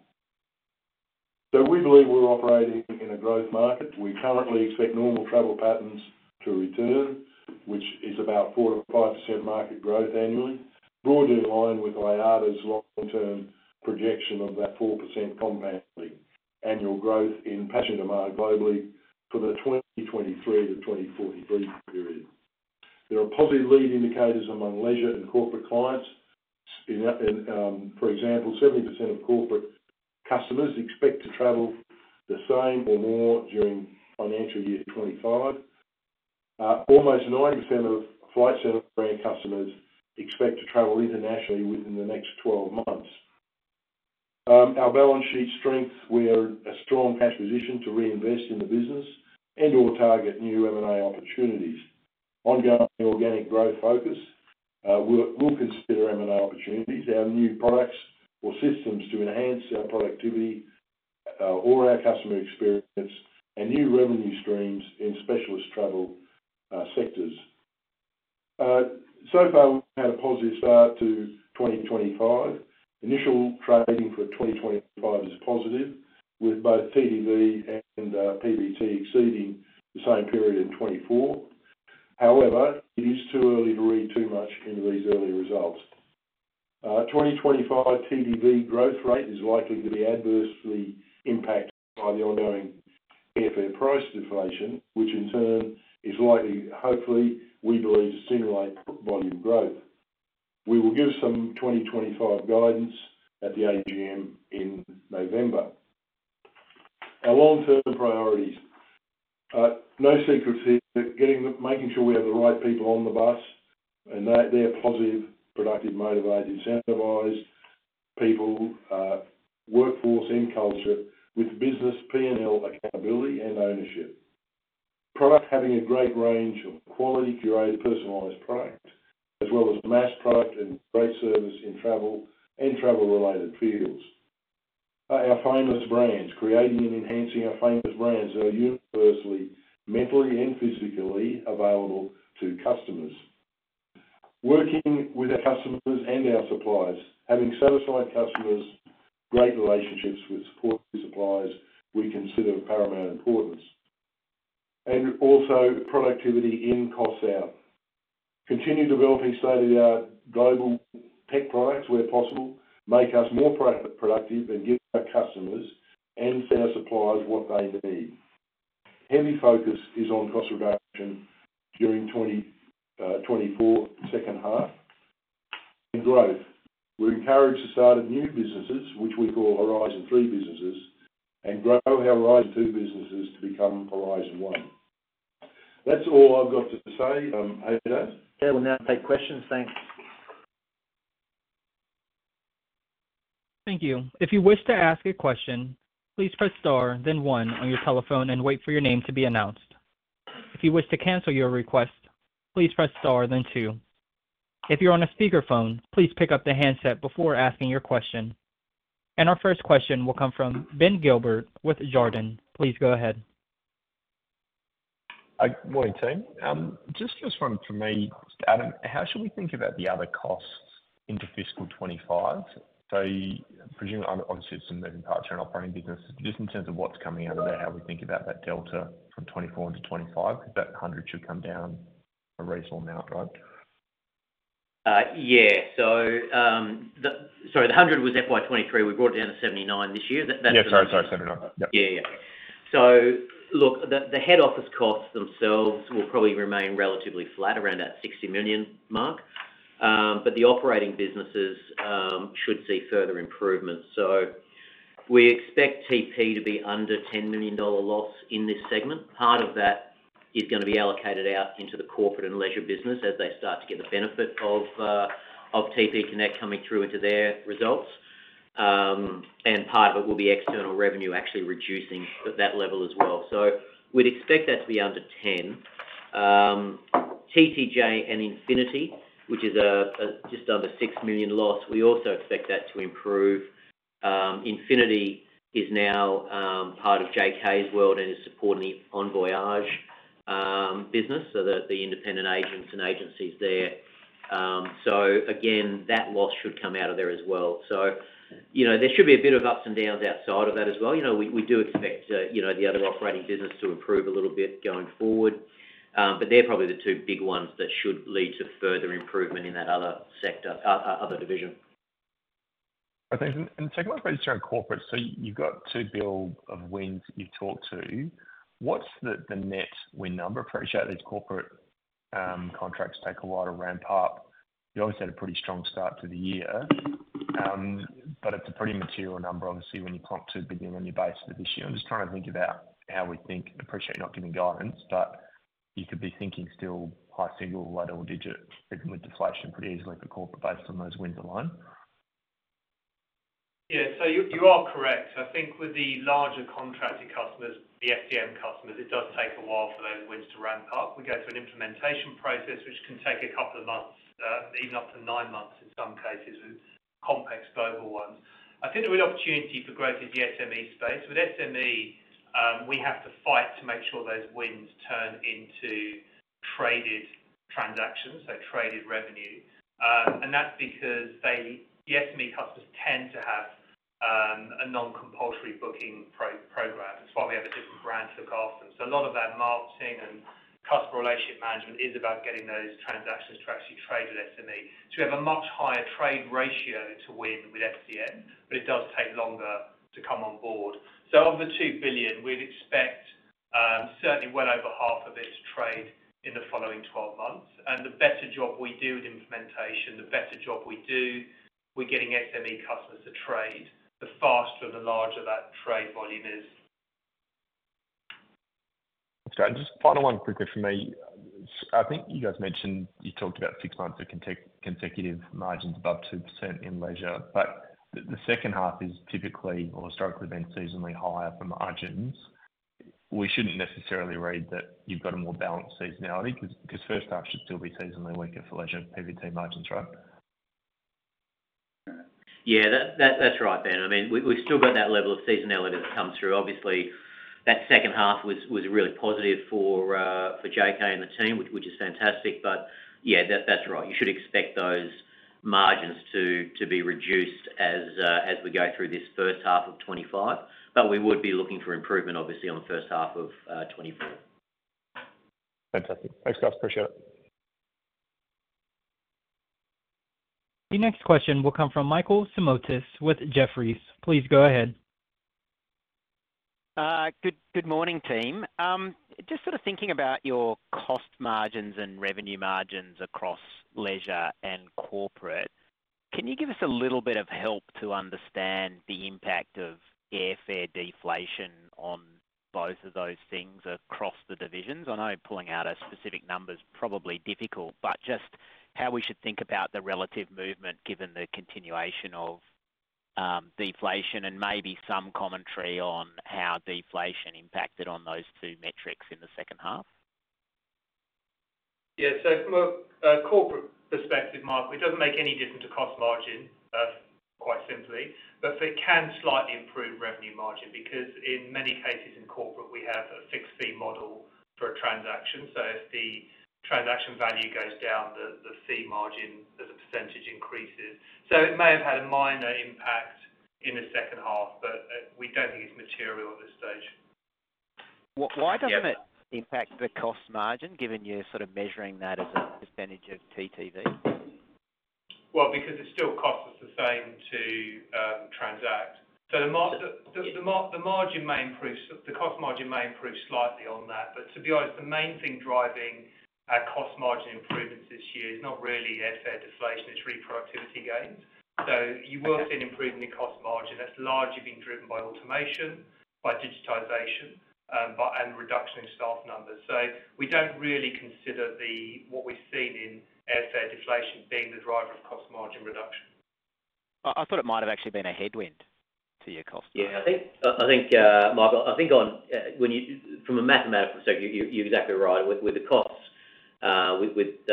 We believe we're operating in a growth market. We currently expect normal travel patterns to return, which is about 4%-5% market growth annually, broadly in line with IATA's long-term projection of that 4% compounding annual growth in passenger demand globally for the 2023 to [2043]. There are positive lead indicators among leisure and corporate clients. In that, and, for example, 70% of corporate customers expect to travel the same or more during financial year 2025. Almost 90% of Flight Centre brand customers expect to travel internationally within the next 12 months. Our balance sheet strength, we are a strong cash position to reinvest in the business and or target new M&A opportunities. Ongoing organic growth focus, we'll consider M&A opportunities, our new products or systems to enhance our productivity or our customer experience and new revenue streams in specialist travel sectors. So far, we've had a positive start to 2025. Initial trading for 2025 is positive, with both TTV and PBT exceeding the same period in 2024. However, it is too early to read too much into these early results. 2025 TTV growth rate is likely to be adversely impacted by the ongoing airfare price deflation, which in turn is likely, hopefully, we believe, to stimulate volume growth. We will give some 2025 guidance at the AGM in November. Our long-term priorities. No secrets here, but making sure we have the right people on the bus, and they are positive, productive, motivated, incentivized people, workforce and culture with business P&L accountability, and ownership. Product, having a great range of quality, curated, personalized product, as well as mass product and great service in travel and travel-related fields. Our famous brands, creating and enhancing our famous brands are universally, digitally, and physically available to customers. Working with our customers and our suppliers, having satisfied customers, great relationships with supportive suppliers, we consider of paramount importance. Also productivity in, costs out. Continue developing state-of-the-art global tech products, where possible, make us more productive and give our customers and our suppliers what they need. Heavy focus is on cost reduction during 2024, second half. And growth, we encourage the start of new businesses, which we call Horizon Three businesses, and grow our Horizon Two businesses to become Horizon One. That's all I've got to say, over to Adam. Yeah, we'll now take questions. Thanks. Thank you. If you wish to ask a question, please press star then one on your telephone, and wait for your name to be announced. If you wish to cancel your request, please press star then two. If you're on a speakerphone, please pick up the handset before asking your question. Our first question will come from Ben Gilbert with Jarden. Please go ahead. Good morning, team. Just one from me. Adam, how should we think about the other costs into fiscal 2025? So presumably, obviously, it's in the parent operating business. Just in terms of what's coming out of that, how we think about that delta from 2024 to 2025, that hundred should come down a reasonable amount, right? Yeah. So, the 100 was FY 2023. We brought it down to 79 this year. That, that's- Yeah, sorry, sorry, 79. Yep. Yeah, yeah. So look, the, the head office costs themselves will probably remain relatively flat around that 60 million mark. But the operating businesses should see further improvements. So we expect TPConnects to be under 10 million dollar loss in this segment. Part of that is gonna be allocated out into the corporate and leisure business as they start to get the benefit of TPConnects coming through into their results. And part of it will be external revenue actually reducing at that level as well. So we'd expect that to be under 10. TTJ and Infinity, which is a just under 6 million loss, we also expect that to improve. Infinity is now part of JK's world and is supporting the Envoyage business, so the independent agents and agencies there. So again, that loss should come out of there as well. So, you know, there should be a bit of ups and downs outside of that as well. You know, we do expect, you know, the other operating business to improve a little bit going forward. But they're probably the two big ones that should lead to further improvement in that other sector, other division. I think, and second question around corporate. So you've got two build of wins you've talked to. What's the net win number? Appreciate these corporate contracts take a while to ramp up. You obviously had a pretty strong start to the year, but it's a pretty material number, obviously, when you [plonk 2 billion on your] base for this year. I'm just trying to think about how we think. Appreciate you not giving guidance, but you could be thinking still high single or low digit, even with deflation pretty easily for corporate based on those wins alone. Yeah. So you are correct. I think with the larger contracted customers, the FCM customers, it does take a while for those wins to ramp up. We go through an implementation process, which can take a couple of months, even up to nine months in some cases with complex global ones. I think the real opportunity for growth is the SME space. With SME, we have to fight to make sure those wins turn into traded transactions, so traded revenue. And that's because the SME customers tend to have a non-compulsory booking program. That's why we have a different brand to look after. So a lot of that marketing and customer relationship management is about getting those transactions to actually trade with SME. We have a much higher trade ratio to win with FCM, but it does take longer to come on board. Of the 2 billion, we'd expect certainly well over half of it to trade in the following 12 months. The better job we do with implementation, the better job we do with getting SME customers to trade, the faster the larger that trade volume is. Okay, just final one quickly for me. I think you guys mentioned, you talked about six months of consecutive margins above 2% in leisure, but the second half is typically or historically been seasonally higher for margins. We shouldn't necessarily read that you've got a more balanced seasonality, 'cause first half should still be seasonally weaker for leisure PBT margins, right? Yeah, that's right, Ben. I mean, we've still got that level of seasonality to come through. Obviously, that second half was really positive for JK and the team, which is fantastic. But yeah, that's right. You should expect those margins to be reduced as we go through this first half of 2025. But we would be looking for improvement, obviously, on the first half of 2024. Fantastic. Thanks, guys. Appreciate it. The next question will come from Michael Simotas with Jefferies. Please go ahead. Good morning, team. Just sort of thinking about your cost margins and revenue margins across leisure and corporate, can you give us a little bit of help to understand the impact of airfare deflation on both of those things across the divisions? I know pulling out a specific number is probably difficult, but just how we should think about the relative movement given the continuation of deflation, and maybe some commentary on how deflation impacted on those two metrics in the second half. Yeah. So from a corporate perspective, Michael, it doesn't make any difference to cost margin, quite simply, but it can slightly improve revenue margin, because in many cases in corporate, we have a fixed fee model for a transaction. So if the transaction value goes down, the fee margin as a percentage increases. So it may have had a minor impact in the second half, but we don't think it's material at this stage. Why doesn't it impact the cost margin, given you're sort of measuring that as a percentage of TTV? Because it still costs us the same to transact. So the margin may improve, so the cost margin may improve slightly on that. But to be honest, the main thing driving our cost margin improvements this year is not really airfare deflation, it's productivity gains. So you will see an improvement in cost margin that's largely been driven by automation, by digitization, by and reduction in staff numbers. So we don't really consider what we've seen in airfare deflation being the driver of cost margin reduction. I thought it might have actually been a headwind to your cost. Yeah, I think, Michael, I think on, when you-- from a mathematical perspective, you're exactly right. With the costs, with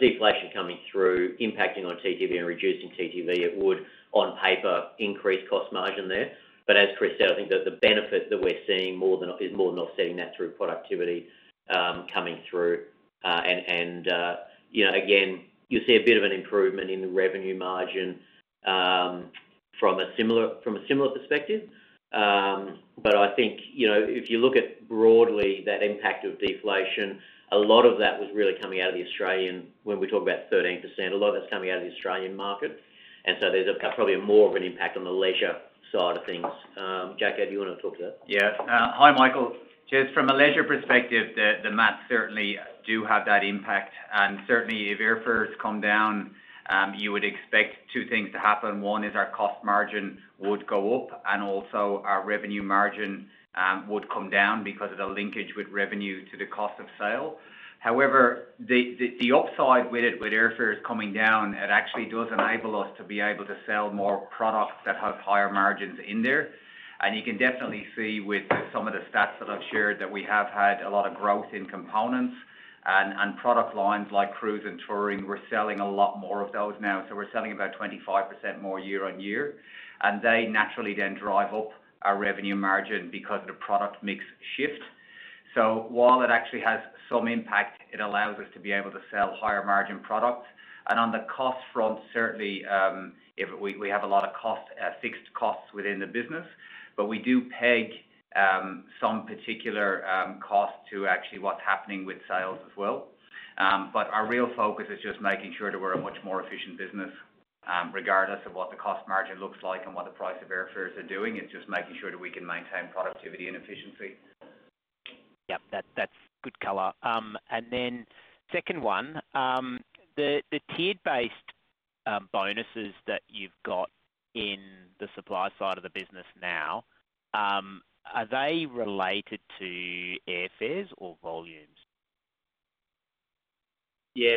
deflation coming through, impacting on TTV and reducing TTV, it would, on paper, increase cost margin there. But as Chris said, I think that the benefit that we're seeing more than-- is more than offsetting that through productivity coming through. And you know, again, you see a bit of an improvement in the revenue margin, from a similar perspective. But I think, you know, if you look at broadly that impact of deflation, a lot of that was really coming out of the Australian... When we talk about 13%, a lot of that's coming out of the Australian market, and so there's probably more of an impact on the leisure side of things. JK, do you want to talk to that? Yeah. Hi, Michael. Just from a leisure perspective, the math certainly do have that impact, and certainly if airfares come down, you would expect two things to happen. One is our cost margin would go up, and also our revenue margin would come down because of the linkage with revenue to the cost of sale. However, the upside with it, with airfares coming down, it actually does enable us to be able to sell more products that have higher margins in there. And you can definitely see with some of the stats that I've shared, that we have had a lot of growth in components and product lines like cruise and touring. We're selling a lot more of those now. We're selling about 25% more year-on-year, and they naturally then drive up our Revenue Margin because the product mix shifts. So while it actually has some impact, it allows us to be able to sell higher margin products. And on the cost front, certainly, if we have a lot of cost, fixed costs within the business, but we do peg some particular costs to actually what's happening with sales as well. But our real focus is just making sure that we're a much more efficient business, regardless of what the cost margin looks like and what the price of airfares are doing, it's just making sure that we can maintain productivity and efficiency. Yep, that's good color. And then second one, the tiered-based bonuses that you've got in the supply side of the business now, are they related to airfares or volumes? Yeah,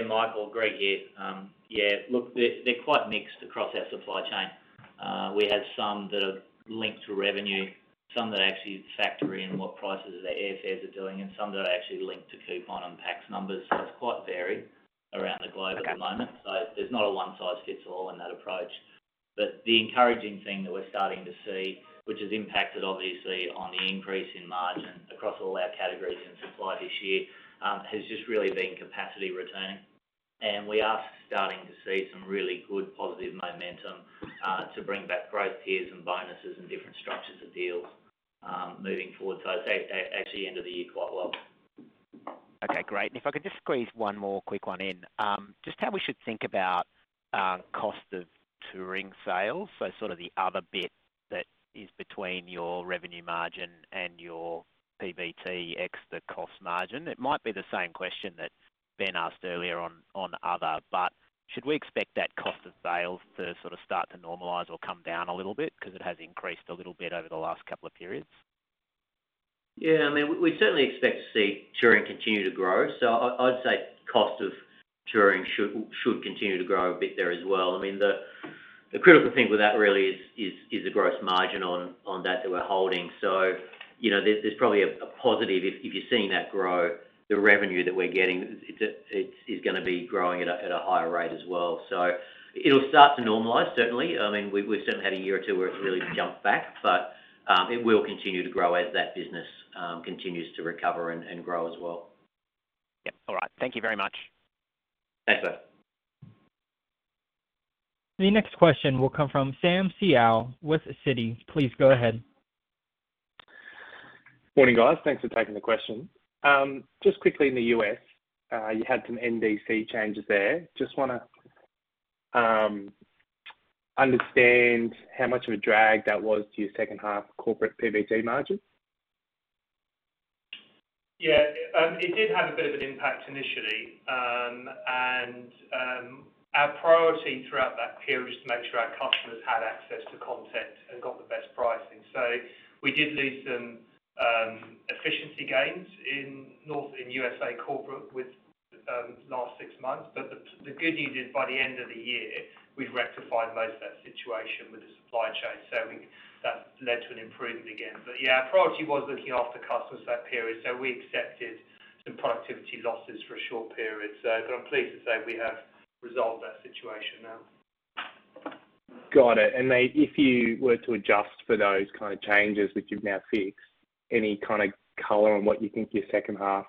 Michael, Greg here. Yeah, look, they're quite mixed across our supply chain. We have some that are linked to revenue, some that actually factor in what prices the airfares are doing, and some that actually linked to coupon and tax numbers. So it's quite varied around the globe at the moment. Okay. So there's not a one-size-fits-all in that approach. But the encouraging thing that we're starting to see, which has impacted obviously on the increase in margin across all our categories in supply this year, has just really been capacity returning. And we are starting to see some really good positive momentum, to bring back growth tiers and bonuses and different structures of deals.... moving forward. So I'd say, actually end of the year quite well. Okay, great. If I could just squeeze one more quick one in. Just how we should think about cost of touring sales, so sort of the other bit that is between your revenue margin and your PBT ex the cost margin. It might be the same question that Ben asked earlier on other, but should we expect that cost of sales to sort of start to normalize or come down a little bit? Because it has increased a little bit over the last couple of periods. Yeah, I mean, we certainly expect to see touring continue to grow, so I'd say cost of touring should continue to grow a bit there as well. I mean, the critical thing with that really is the gross margin on that we're holding. So, you know, there's probably a positive if you're seeing that grow, the revenue that we're getting is gonna be growing at a higher rate as well. So it'll start to normalize, certainly. I mean, we've certainly had a year or two where it's really jumped back, but it will continue to grow as that business continues to recover and grow as well. Yep. All right. Thank you very much. Thanks, sir. The next question will come from Sam Seow with Citi. Please go ahead. Morning, guys. Thanks for taking the question. Just quickly in the U.S., you had some NDC changes there. Just wanna understand how much of a drag that was to your second half corporate PBT margins? Yeah, it did have a bit of an impact initially. Our priority throughout that period was to make sure our customers had access to content and got the best pricing, so we did lose some efficiency gains in U.S. corporate with last six months, but the good news is, by the end of the year, we've rectified most of that situation with the supply chain, so that led to an improvement again, but yeah, our priority was looking after customers that period, so we accepted some productivity losses for a short period. But I'm pleased to say we have resolved that situation now. Got it. And then if you were to adjust for those kind of changes, which you've now fixed, any kind of color on what you think your second half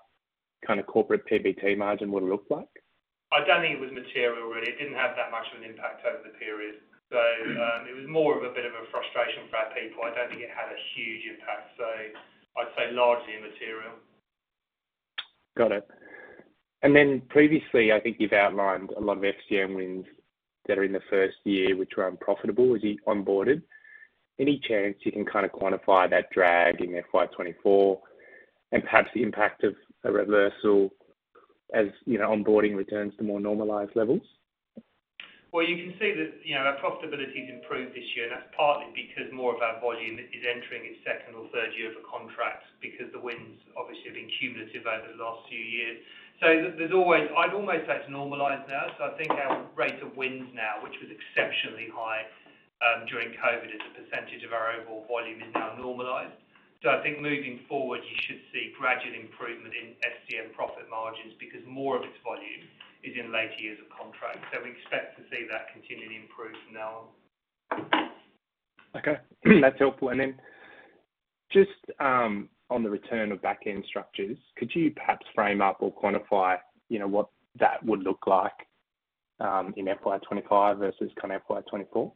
kind of corporate PBT margin would look like? I don't think it was material really. It didn't have that much of an impact over the period. So, it was more of a bit of a frustration for our people. I don't think it had a huge impact, so I'd say largely immaterial. Got it. And then previously, I think you've outlined a lot of FCM wins that are in the first year, which were unprofitable as you onboarded. Any chance you can kind of quantify that drag in FY 2024 and perhaps the impact of a reversal, as, you know, onboarding returns to more normalized levels? You can see that, you know, our profitability has improved this year, and that's partly because more of our volume is entering its second or third year of a contract, because the wins obviously have been cumulative over the last few years. I'd almost like to normalize now. So I think our rate of wins now, which was exceptionally high during COVID, as a percentage of our overall volume, is now normalized. So I think moving forward, you should see gradual improvement in FCM profit margins because more of its volume is in later years of contract. So we expect to see that continuing to improve from now on. Okay, that's helpful. And then just, on the return of back-end structures, could you perhaps frame up or quantify, you know, what that would look like, in FY 2025 versus kind of FY 2024?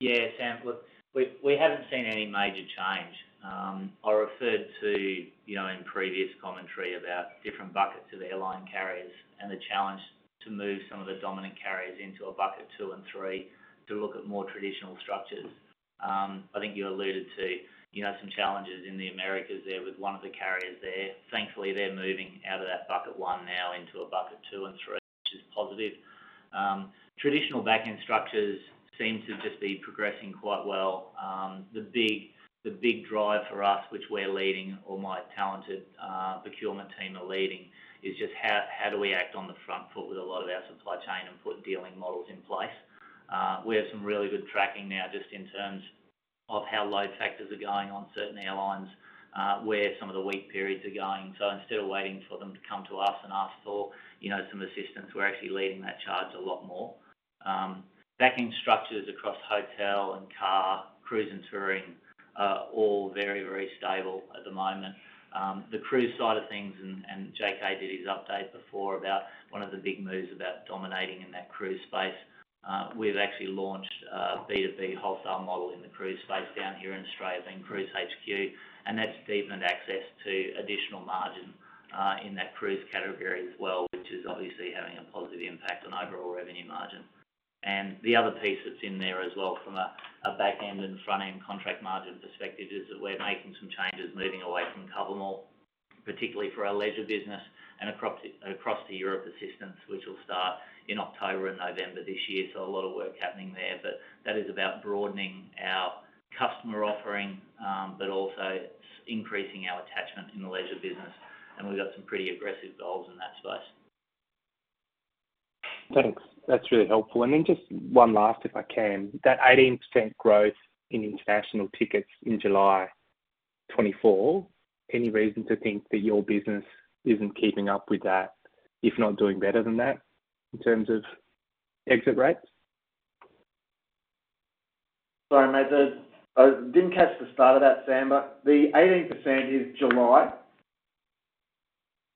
Yeah, Sam. Look, we haven't seen any major change. I referred to, you know, in previous commentary about different buckets of airline carriers and the challenge to move some of the dominant carriers into a bucket two and three, to look at more traditional structures. I think you alluded to, you know, some challenges in the Americas there with one of the carriers there. Thankfully, they're moving out of that bucket one now into a bucket two and three, which is positive. Traditional back-end structures seem to just be progressing quite well. The big drive for us, which we're leading, or my talented procurement team are leading, is just how do we act on the front foot with a lot of our supply chain and put dealing models in place? We have some really good tracking now, just in terms of how load factors are going on certain airlines, where some of the weak periods are going. So instead of waiting for them to come to us and ask for, you know, some assistance, we're actually leading that charge a lot more. Booking structures across hotel and car, cruise and touring are all very, very stable at the moment. The cruise side of things, and JK did his update before about one of the big moves about dominating in that cruise space. We've actually launched a B2B wholesale model in the cruise space down here in Australia, being Cruise HQ, and that's deepened access to additional margin in that cruise category as well, which is obviously having a positive impact on overall revenue margin. The other piece that's in there as well, from a back-end and front-end contract margin perspective, is that we're making some changes, moving away from Cover-More, particularly for our leisure business and across the European assistance, which will start in October and November this year. A lot of work happening there, but that is about broadening our customer offering, but also increasing our attachment in the leisure business, and we've got some pretty aggressive goals in that space. Thanks. That's really helpful. And then just one last, if I can. That 18% growth in international tickets in July 2024, any reason to think that your business isn't keeping up with that, if not doing better than that, in terms of exit rates? Sorry, mate, I didn't catch the start of that, Sam, but the 18% is July?...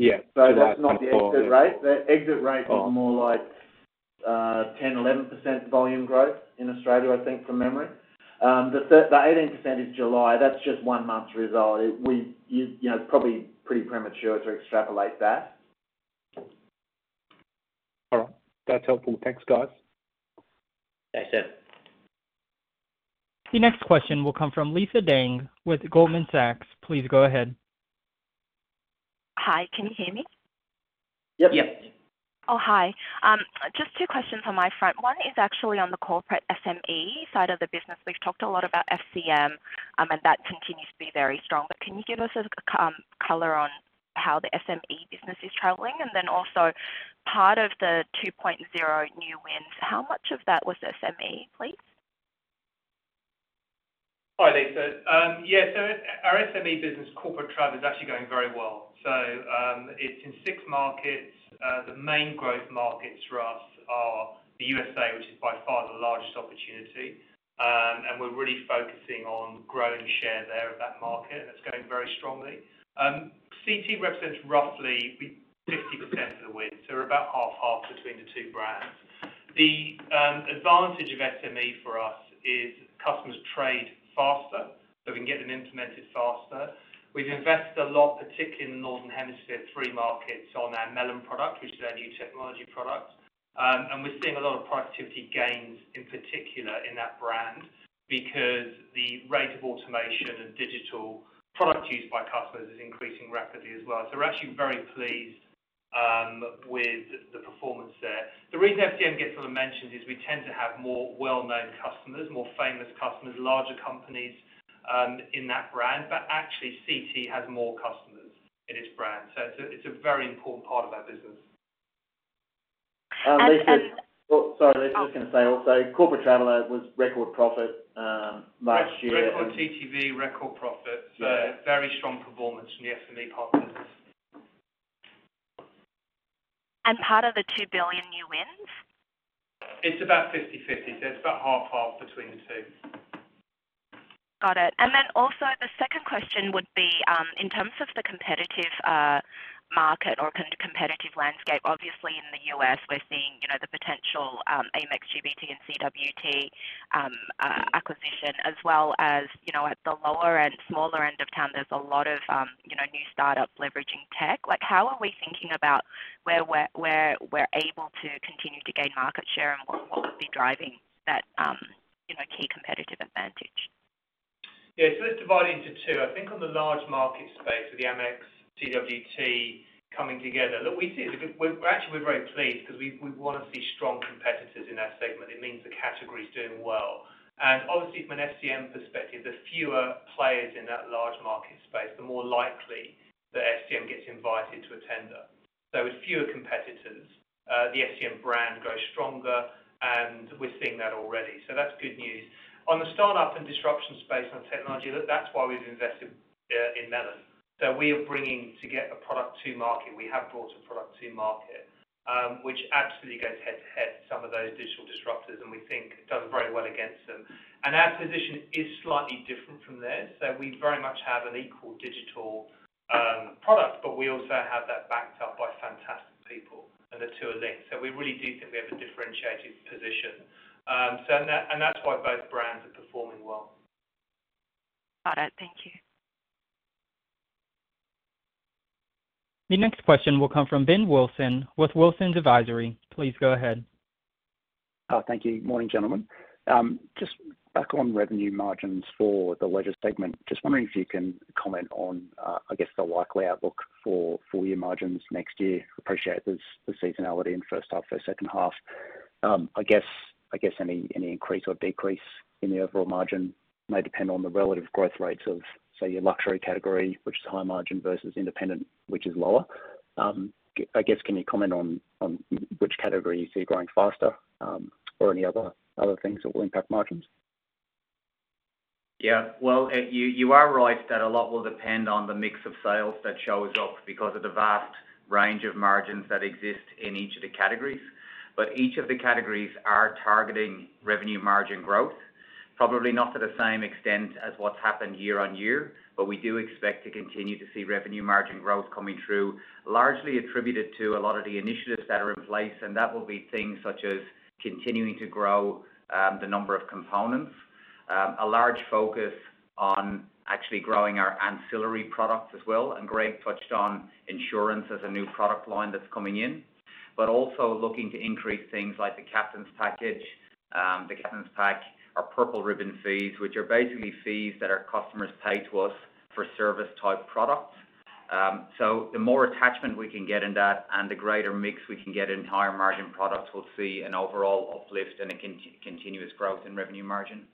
Yeah, so that's not the exit rate. The exit rate is more like 10%, 11% volume growth in Australia, I think, from memory. The 18% is July. That's just one month's result. You know, it's probably pretty premature to extrapolate that. All right. That's helpful. Thanks, guys. Thanks, sir. The next question will come from Lisa Dang with Goldman Sachs. Please go ahead. Hi, can you hear me? Yep. Yep. Oh, hi. Just two questions on my front. One is actually on the corporate SME side of the business. We've talked a lot about FCM, and that continues to be very strong. But can you give us color on how the SME business is traveling? And then also, part of the 2.0 new wins, how much of that was SME, please? Hi, Lisa. Yeah, so our SME business corporate travel is actually going very well, so it's in six markets. The main growth markets for us are the USA, which is by far the largest opportunity, and we're really focusing on growing share there of that market, and it's going very strongly. CT represents roughly 50% of the win, so we're about half, half between the two brands. The advantage of SME for us is customers trade faster, so we can get them implemented faster. We've invested a lot, particularly in the Northern Hemisphere, three markets on our Melon product, which is our new technology product, and we're seeing a lot of productivity gains, in particular in that brand, because the rate of automation and digital product used by customers is increasing rapidly as well. We're actually very pleased with the performance there. The reason FCM gets sort of mentioned is we tend to have more well-known customers, more famous customers, larger companies in that brand, but actually, CT has more customers in its brand. So it's a very important part of our business. And, and- Lisa. Oh, sorry, Lisa. I was just gonna say also, Corporate Traveller was record profit last year. Record TTV, record profit. Yeah. Very strong performance from the SME part of the business. Part of the 2 billion new wins? It's about 50/50, so it's about half, half between the two. Got it. And then also the second question would be, in terms of the competitive, market or competitive landscape. Obviously, in the U.S., we're seeing, you know, the potential, Amex GBT, and CWT, acquisition, as well as, you know, at the lower end, smaller end of town, there's a lot of, you know, new start-ups leveraging tech. Like, how are we thinking about where we're able to continue to gain market share, and what will be driving that, you know, key competitive advantage? Yeah, so let's divide it into two. I think on the large market space with the Amex, CWT coming together, look, we see it as a good... We're actually very pleased because we want to see strong competitors in our segment. It means the category is doing well. And obviously, from an FCM perspective, the fewer players in that large market space, the more likely that FCM gets invited to attend to tender. So with fewer competitors, the FCM brand grows stronger, and we're seeing that already. So that's good news. On the start-up and disruption space on technology, look, that's why we've invested in Melon. So we are bringing together a product to market. We have brought a product to market, which absolutely goes head to head with some of those digital disruptors, and we think does very well against them. Our position is slightly different from theirs. We very much have an equal digital product, but we also have that backed up by fantastic people, and the two are linked. We really do think we have a differentiated position. That's why both brands are performing well. Got it. Thank you. The next question will come from Ben Wilson with Wilsons Advisory. Please go ahead. Thank you. Morning, gentlemen. Just back on revenue margins for the leisure statement, just wondering if you can comment on, I guess, the likely outlook for full year margins next year. Appreciate the seasonality in first half or second half. I guess any increase or decrease in the overall margin may depend on the relative growth rates of, say, your luxury category, which is high margin, versus independent, which is lower. I guess, can you comment on which category you see growing faster, or any other things that will impact margins? Yeah. Well, you are right that a lot will depend on the mix of sales that shows up because of the vast range of margins that exist in each of the categories. But each of the categories are targeting revenue margin growth, probably not to the same extent as what's happened year-on-year, but we do expect to continue to see revenue margin growth coming through, largely attributed to a lot of the initiatives that are in place, and that will be things such as continuing to grow the number of components. A large focus on actually growing our ancillary products as well. And Greg touched on insurance as a new product line that's coming in. But also looking to increase things like the Captain's Pack, our purple ribbon fees, which are basically fees that our customers pay to us for service-type products, so the more attachment we can get in that and the greater mix we can get in higher margin products, we'll see an overall uplift and a continuous growth in revenue margin.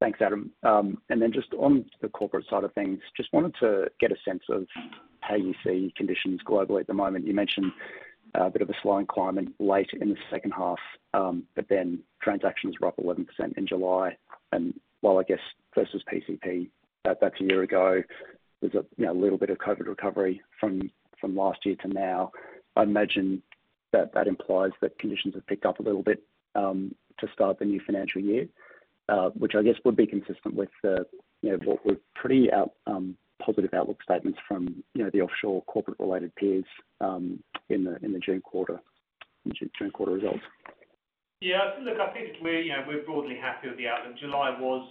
Thanks, Adam. And then just on the corporate side of things, just wanted to get a sense of how you see conditions globally at the moment. You mentioned a bit of a slowing climate late in the second half, but then transactions were up 11% in July. And while, I guess, versus PCP, that's a year ago, there's a, you know, little bit of COVID recovery from last year to now. I imagine-... That implies that conditions have picked up a little bit to start the new financial year. Which I guess would be consistent with the, you know, what were pretty upbeat positive outlook statements from, you know, the offshore corporate-related peers in the June quarter results. Yeah, look, I think we're, you know, we're broadly happy with the outlook. July was.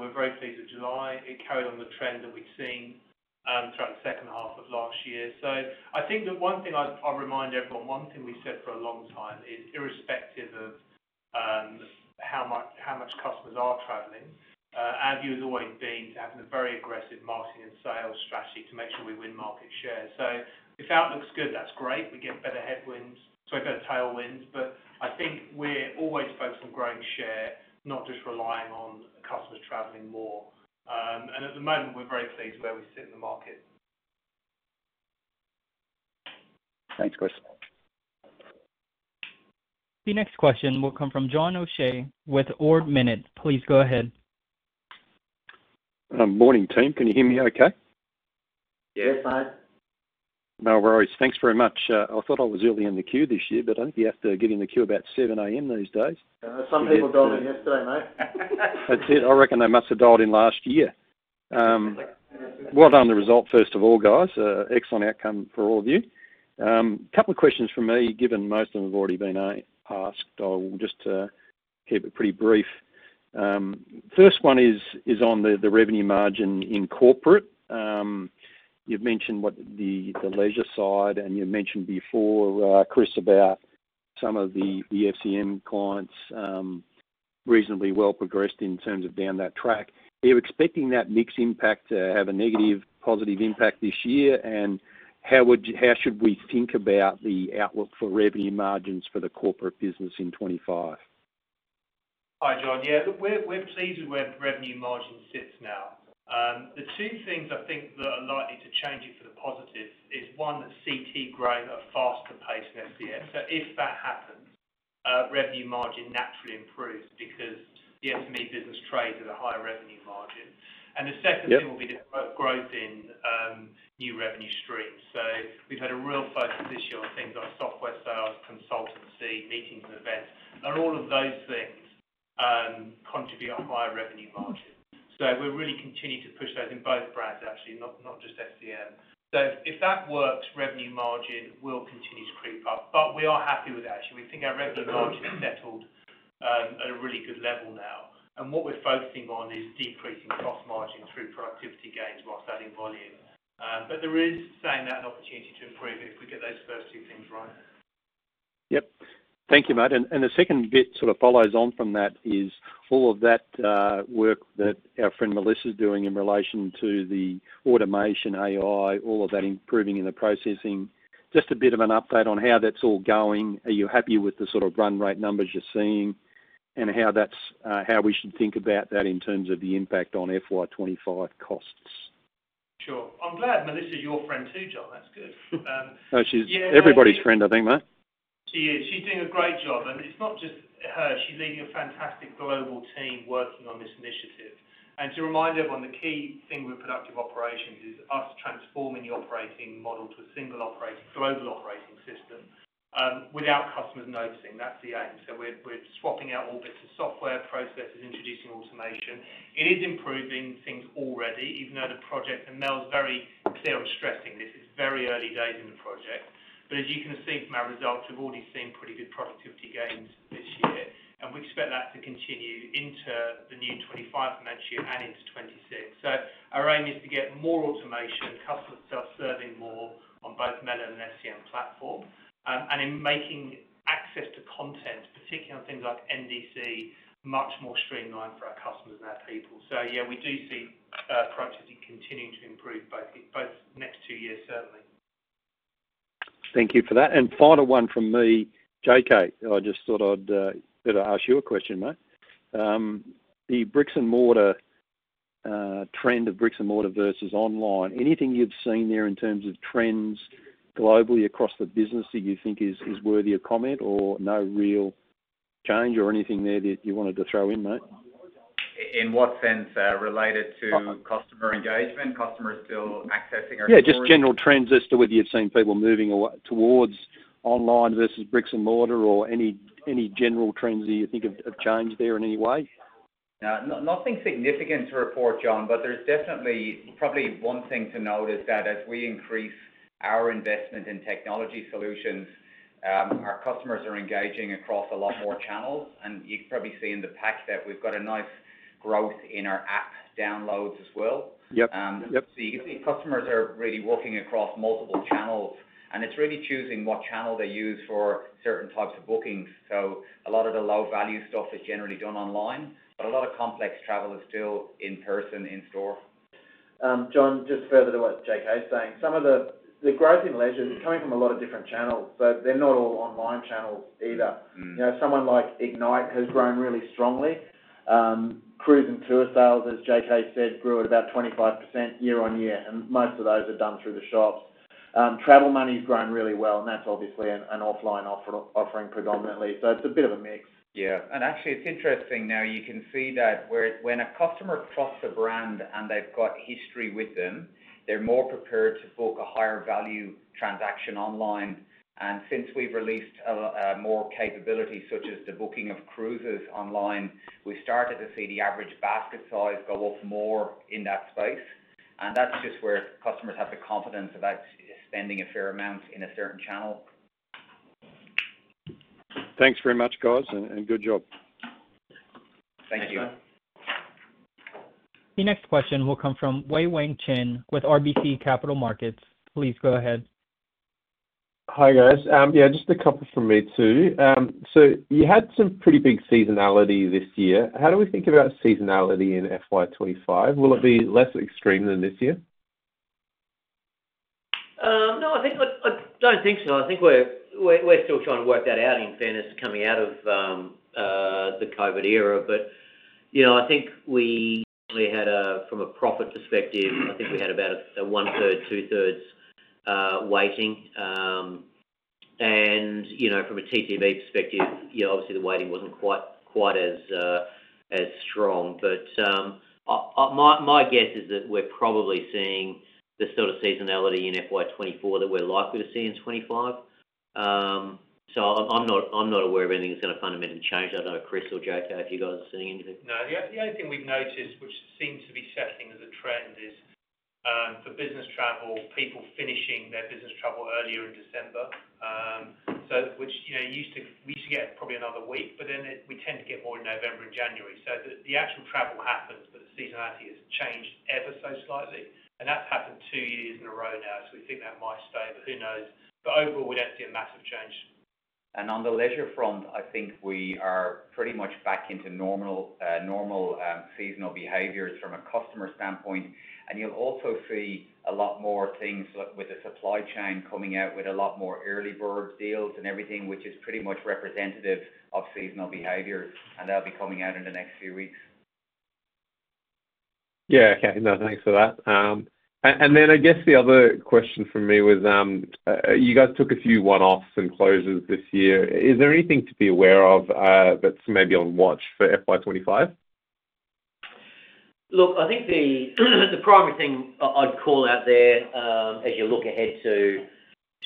We're very pleased with July. It carried on the trend that we've seen throughout the second half of last year. So I think the one thing I, I'll remind everyone, one thing we've said for a long time is irrespective of how much customers are traveling, our view has always been to having a very aggressive marketing and sales strategy to make sure we win market share. So if that looks good, that's great. We get better headwinds, sorry, better tailwinds. But I think we're always focused on growing share, not just relying on customers traveling more. And at the moment, we're very pleased where we sit in the market. Thanks, Chris. The next question will come from John O'Shea with Ord Minnett. Please go ahead. Morning, team. Can you hear me okay? Yes, mate. No worries. Thanks very much. I thought I was early in the queue this year, but I think you have to get in the queue about 7:00 A.M. these days. Some people dialed in yesterday, mate. That's it. I reckon they must have dialed in last year. Well done, the result, first of all, guys. Excellent outcome for all of you. A couple of questions from me, given most of them have already been asked. I'll just keep it pretty brief. First one is on the revenue margin in corporate. You've mentioned what the leisure side, and you mentioned before, Chris, about some of the FCM clients, reasonably well progressed in terms of down that track. Are you expecting that mix impact to have a negative, positive impact this year? And how would you-- how should we think about the outlook for revenue margins for the corporate business in 2025? Hi, John. Yeah, look, we're pleased with where the revenue margin sits now. The two things I think that are likely to change it for the positive is, one, CT growing at a faster pace than FCM. So if that happens, revenue margin naturally improves because the SME business trades at a higher revenue margin. Yep. The second thing will be the growth in new revenue streams. So we've had a real focus this year on things like software sales, consultancy, meetings and events, and all of those things contribute on higher revenue margins. So we're really continuing to push those in both brands, actually, not, not just FCM. So if that works, revenue margin will continue to creep up. But we are happy with that actually. We think our revenue margin- Mm-hmm has settled at a really good level now, and what we're focusing on is decreasing cost margin through productivity gains while adding volume. But there is, saying that, an opportunity to improve if we get those first two things right. Yep. Thank you, mate. And the second bit sort of follows on from that is all of that work that our friend Melissa is doing in relation to the automation, AI, all of that improving in the processing. Just a bit of an update on how that's all going. Are you happy with the sort of run rate numbers you're seeing? And how that's how we should think about that in terms of the impact on FY 2025 costs? Sure. I'm glad Melissa is your friend, too, John. That's good. No, she's- Yeah... everybody's friend, I think, mate. She is. She's doing a great job, and it's not just her. She's leading a fantastic global team working on this initiative. And to remind everyone, the key thing with productive operations is us transforming the operating model to a single operating, global operating system without customers noticing. That's the aim. So we're swapping out all bits of software, processes, introducing automation. It is improving things already, even though the project, and Mel's very clear on stressing this, it's very early days in the project. But as you can see from our results, we've already seen pretty good productivity gains this year, and we expect that to continue into the new 2025 financial year and into 2026. So our aim is to get more automation, customers self-serving more on both Melon and FCM Platform, and in making access to content, particularly on things like NDC, much more streamlined for our customers and our people. So yeah, we do see productivity continuing to improve both next two years, certainly. Thank you for that. And final one from me, JK. I just thought I'd better ask you a question, mate. The bricks-and-mortar trend of bricks and mortar versus online, anything you've seen there in terms of trends globally across the business that you think is worthy of comment or no real change or anything there that you wanted to throw in, mate? In what sense, related to- Co- customer engagement, customers still accessing our stores? Yeah, just general trends as to whether you've seen people moving away, towards online versus bricks and mortar or any, any general trends that you think have, have changed there in any way? Nothing significant to report, John, but there's definitely probably one thing to note is that as we increase our investment in technology solutions, our customers are engaging across a lot more channels, and you can probably see in the pack that we've got a nice growth in our app downloads as well. Yep. Yep. So you can see customers are really working across multiple channels, and it's really choosing what channel they use for certain types of bookings. So a lot of the low-value stuff is generally done online, but a lot of complex travel is still in person, in store. John, just further to what JK is saying, some of the growth in leisure is coming from a lot of different channels, but they're not all online channels either. Mm. You know, someone like Ignite has grown really strongly. Cruise and tour sales, as JK said, grew at about 25% year-on-year, and most of those are done through the shops.... Travel Money's grown really well, and that's obviously an offline offering predominantly. So it's a bit of a mix. Yeah. And actually, it's interesting now, you can see that where, when a customer trusts a brand and they've got history with them, they're more prepared to book a higher value transaction online. And since we've released more capabilities, such as the booking of cruises online, we've started to see the average basket size go up more in that space. And that's just where customers have the confidence about spending a fair amount in a certain channel. Thanks very much, guys, and good job. Thank you. Thanks, mate. The next question will come from Wei-Weng Chen with RBC Capital Markets. Please go ahead. Hi, guys. Yeah, just a couple from me, too. So you had some pretty big seasonality this year. How do we think about seasonality in FY 2025? Will it be less extreme than this year? No, I don't think so. I think we're still trying to work that out, in fairness, coming out of the COVID era. But you know, I think we only had, from a profit perspective, I think we had about a one-third, two-thirds weighting. And you know, from a TTV perspective, yeah, obviously, the weighting wasn't quite as strong. But my guess is that we're probably seeing the sort of seasonality in FY 2024 that we're likely to see in FY 2025. So I'm not aware of anything that's gonna fundamentally change. I don't know, Chris or JK, if you guys are seeing anything. No, the only thing we've noticed, which seems to be setting as a trend, is for business travel, people finishing their business travel earlier in December. So, which you know used to get probably another week, but then we tend to get more in November and January. So the actual travel happens, but the seasonality has changed ever so slightly, and that's happened two years in a row now, so we think that might stay, but who knows? But overall, we don't see a massive change. On the leisure front, I think we are pretty much back into normal seasonal behaviors from a customer standpoint. You'll also see a lot more things, like, with the supply chain coming out with a lot more early bird deals and everything, which is pretty much representative of seasonal behaviors, and they'll be coming out in the next few weeks. Yeah, okay. No, thanks for that. And then I guess the other question from me was, you guys took a few one-offs and closures this year. Is there anything to be aware of, that's maybe on watch for FY 2025? Look, I think the primary thing I'd call out there, as you look ahead to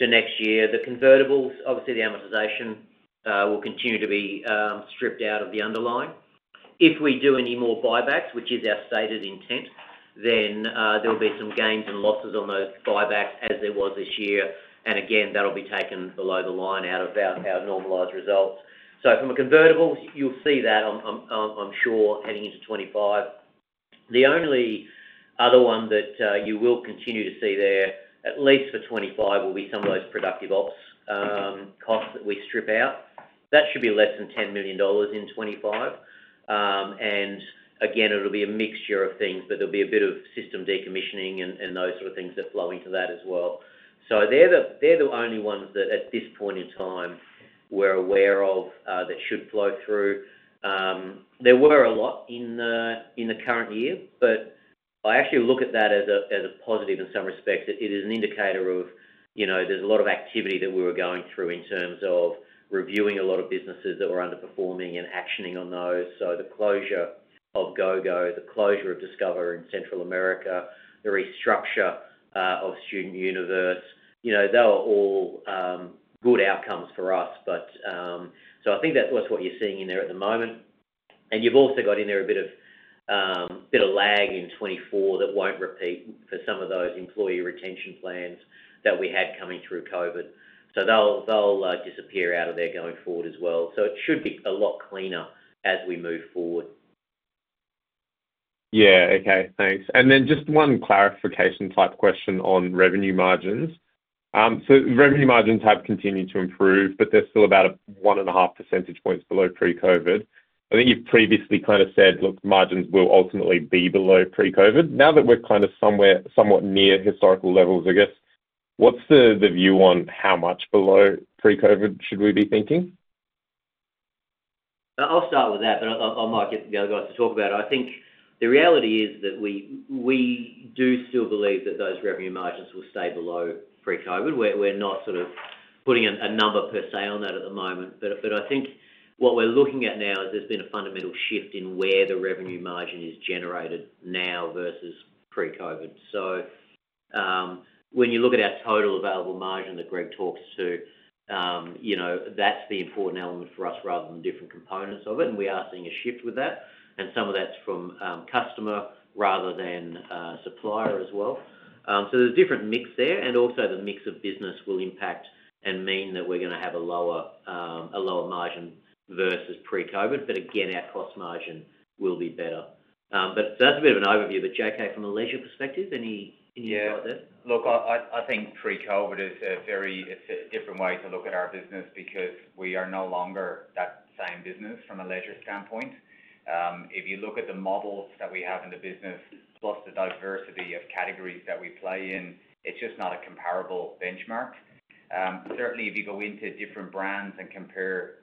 next year, the convertibles, obviously, the amortization will continue to be stripped out of the underlying. If we do any more buybacks, which is our stated intent, then there will be some gains and losses on those buybacks as there was this year. And again, that'll be taken below the line out of our normalized results. So from a convertible, you'll see that on, I'm sure, heading into 2025. The only other one that you will continue to see there, at least for 2025, will be some of those productive ops costs that we strip out. That should be less than 10 million dollars in 2025. And again, it'll be a mixture of things, but there'll be a bit of system decommissioning and those sort of things that flow into that as well. So they're the only ones that at this point in time we're aware of that should flow through. There were a lot in the current year, but I actually look at that as a positive in some respects. It is an indicator of, you know, there's a lot of activity that we were going through in terms of reviewing a lot of businesses that were underperforming and actioning on those. So the closure of GOGO, the closure of Discova Central America, the restructure of StudentUniverse, you know, they were all good outcomes for us. But so I think that was what you're seeing in there at the moment. You've also got in there a bit of lag in 2024 that won't repeat for some of those employee retention plans that we had coming through COVID. So they'll disappear out of there going forward as well. So it should be a lot cleaner as we move forward. Yeah, okay. Thanks. And then just one clarification type question on revenue margins. So revenue margins have continued to improve, but they're still about one and a half percentage points below pre-COVID. I think you've previously kind of said, look, margins will ultimately be below pre-COVID. Now that we're kind of somewhere somewhat near historical levels, I guess, what's the view on how much below pre-COVID should we be thinking? I'll start with that, but I'll, I might get the other guys to talk about it. I think the reality is that we do still believe that those revenue margins will stay below pre-COVID. We're not sort of putting a number per se on that at the moment, but I think what we're looking at now is there's been a fundamental shift in where the revenue margin is generated now versus pre-COVID. So, when you look at our total available margin that Greg talks to, you know, that's the important element for us rather than different components of it, and we are seeing a shift with that. And some of that's from customer rather than supplier as well. So there's a different mix there, and also the mix of business will impact and mean that we're gonna have a lower margin versus pre-COVID, but again, our cost margin will be better. But that's a bit of an overview, but JK, from a leisure perspective, any thoughts there? Yeah. Look, I think pre-COVID is a very different way to look at our business because we are no longer that same business from a leisure standpoint. If you look at the models that we have in the business, plus the diversity of categories that we play in, it's just not a comparable benchmark.... Certainly, if you go into different brands and compare,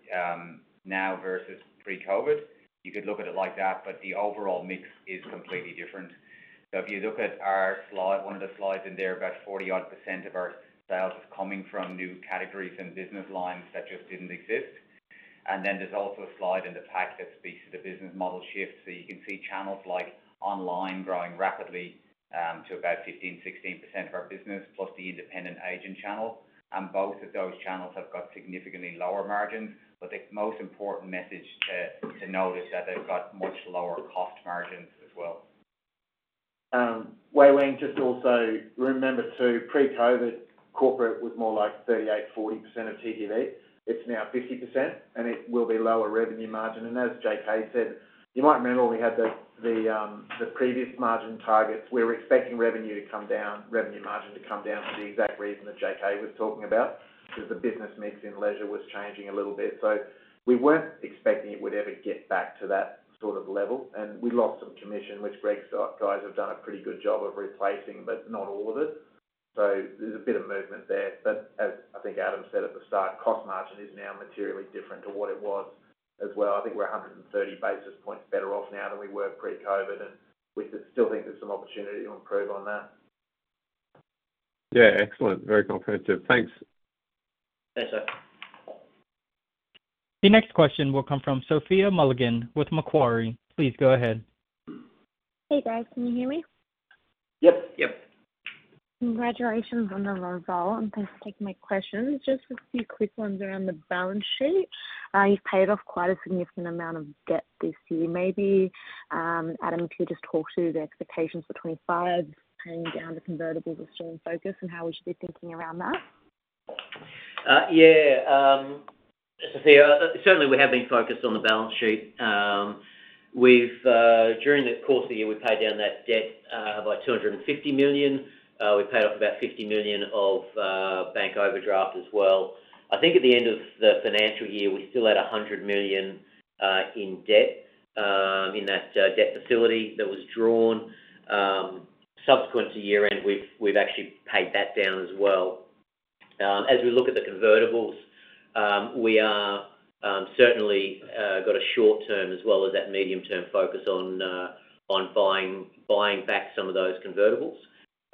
now versus pre-COVID, you could look at it like that, but the overall mix is completely different. So if you look at our slide, one of the slides in there, about 40-odd percent of our sales is coming from new categories and business lines that just didn't exist. And then there's also a slide in the pack that speaks to the business model shift. So you can see channels like online growing rapidly, to about 15%, 16% of our business, plus the independent agent channel. And both of those channels have got significantly lower margins. But the most important message to note is that they've got much lower cost margins as well. Wei-Weng, just also remember, too, pre-COVID, corporate was more like 38%-40% of TTV. It's now 50%, and it will be lower revenue margin. And as JK said, you might remember we had the previous margin targets. We were expecting revenue to come down, revenue margin to come down for the exact reason that JK was talking about, because the business mix in leisure was changing a little bit. So we weren't expecting it would ever get back to that sort of level. And we lost some commission, which Greg's guys have done a pretty good job of replacing, but not all of it. So there's a bit of movement there. But as I think Adam said at the start, cost margin is now materially different to what it was as well. I think we're 130 basis points better off now than we were pre-COVID, and we still think there's some opportunity to improve on that. Yeah, excellent. Very comprehensive. Thanks. Thanks, sir. The next question will come from Sophia Mulligan with Macquarie. Please go ahead. Hey, guys, can you hear me? Yep. Yep. Congratulations on the result, and thanks for taking my questions. Just a few quick ones around the balance sheet. You've paid off quite a significant amount of debt this year. Maybe, Adam, could you just talk to the expectations for 2025, paying down the convertibles and staying focused, and how we should be thinking around that? Yeah, Sophia, certainly we have been focused on the balance sheet. We've during the course of the year, we paid down that debt by 250 million. We paid off about 50 million of bank overdraft as well. I think at the end of the financial year, we still had 100 million in debt in that debt facility that was drawn. Subsequent to year-end, we've actually paid that down as well. As we look at the convertibles, we are certainly got a short term as well as that medium-term focus on buying back some of those convertibles.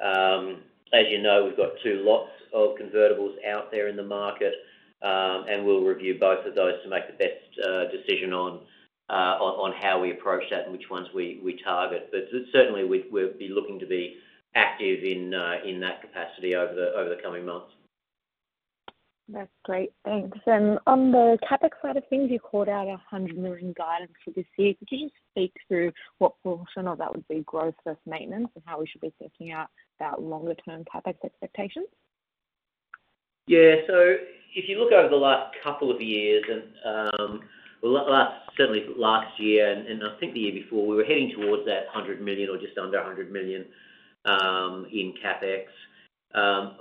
As you know, we've got two lots of convertibles out there in the market, and we'll review both of those to make the best decision on how we approach that and which ones we target. But certainly, we'll be looking to be active in that capacity over the coming months. That's great. Thanks. And on the CapEx side of things, you called out 100 million guidance for this year. Could you speak through what proportion of that would be growth versus maintenance and how we should be thinking about longer-term CapEx expectations? Yeah. So if you look over the last couple of years and, well, certainly last year and, and I think the year before, we were heading towards that 100 million or just under 100 million in CapEx.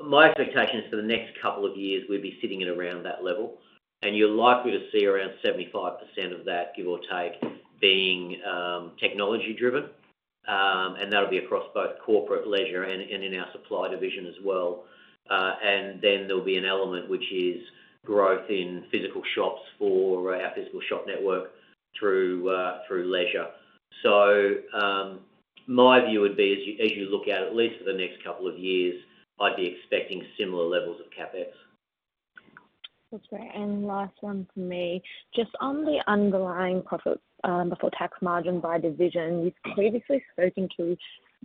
My expectation is for the next couple of years, we'd be sitting at around that level, and you're likely to see around 75% of that, give or take, being technology driven. And that'll be across both corporate, leisure, and, and in our supply division as well. And then there'll be an element which is growth in physical shops for our physical shop network through, through leisure. So, my view would be, as you, as you look out, at least for the next couple of years, I'd be expecting similar levels of CapEx. That's great, and last one from me. Just on the underlying profit before tax margin by division, you've previously spoken to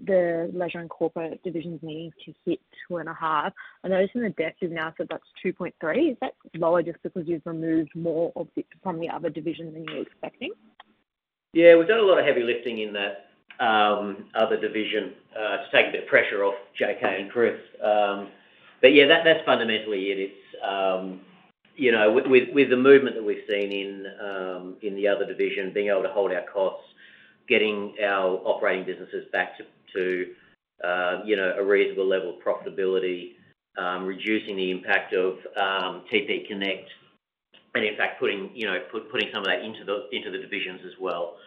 the leisure and corporate divisions needing to hit two and a half. I noticed in the deck, you've now said that's 2.3. Is that lower just because you've removed more of it from the other division than you were expecting? Yeah, we've done a lot of heavy lifting in that other division to take a bit of pressure off JK and Chris. But yeah, that's fundamentally it. It's you know, with the movement that we've seen in the other division, being able to hold our costs, getting our operating businesses back to you know, a reasonable level of profitability, reducing the impact of TPConnects, and in fact, putting you know, some of that into the divisions as well.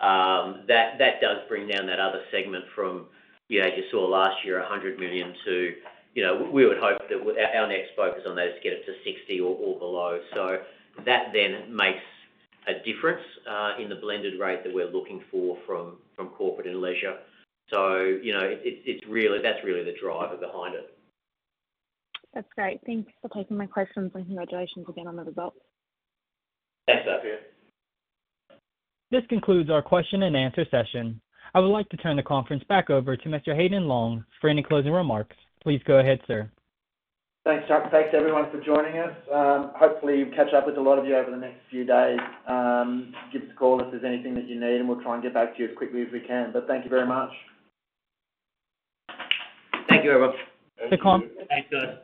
That does bring down that other segment from you know, as you saw last year, 100 million to you know, we would hope that our next focus on that is to get it to 60 million or below. So that then makes a difference in the blended rate that we're looking for from corporate and leisure. So, you know, it's really. That's really the driver behind it. That's great. Thanks for taking my questions, and congratulations again on the results. Thanks, Sophia. This concludes our question and answer session. I would like to turn the conference back over to Mr. Haydn Long for any closing remarks. Please go ahead, sir. Thanks, Chuck. Thanks, everyone, for joining us. Hopefully, catch up with a lot of you over the next few days. Give us a call if there's anything that you need, and we'll try and get back to you as quickly as we can. But thank you very much. Thank you, everyone. Thank you. Thanks, guys.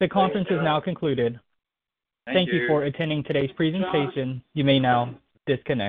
The conference is now concluded. Thank you. Thank you for attending today's presentation. You may now disconnect.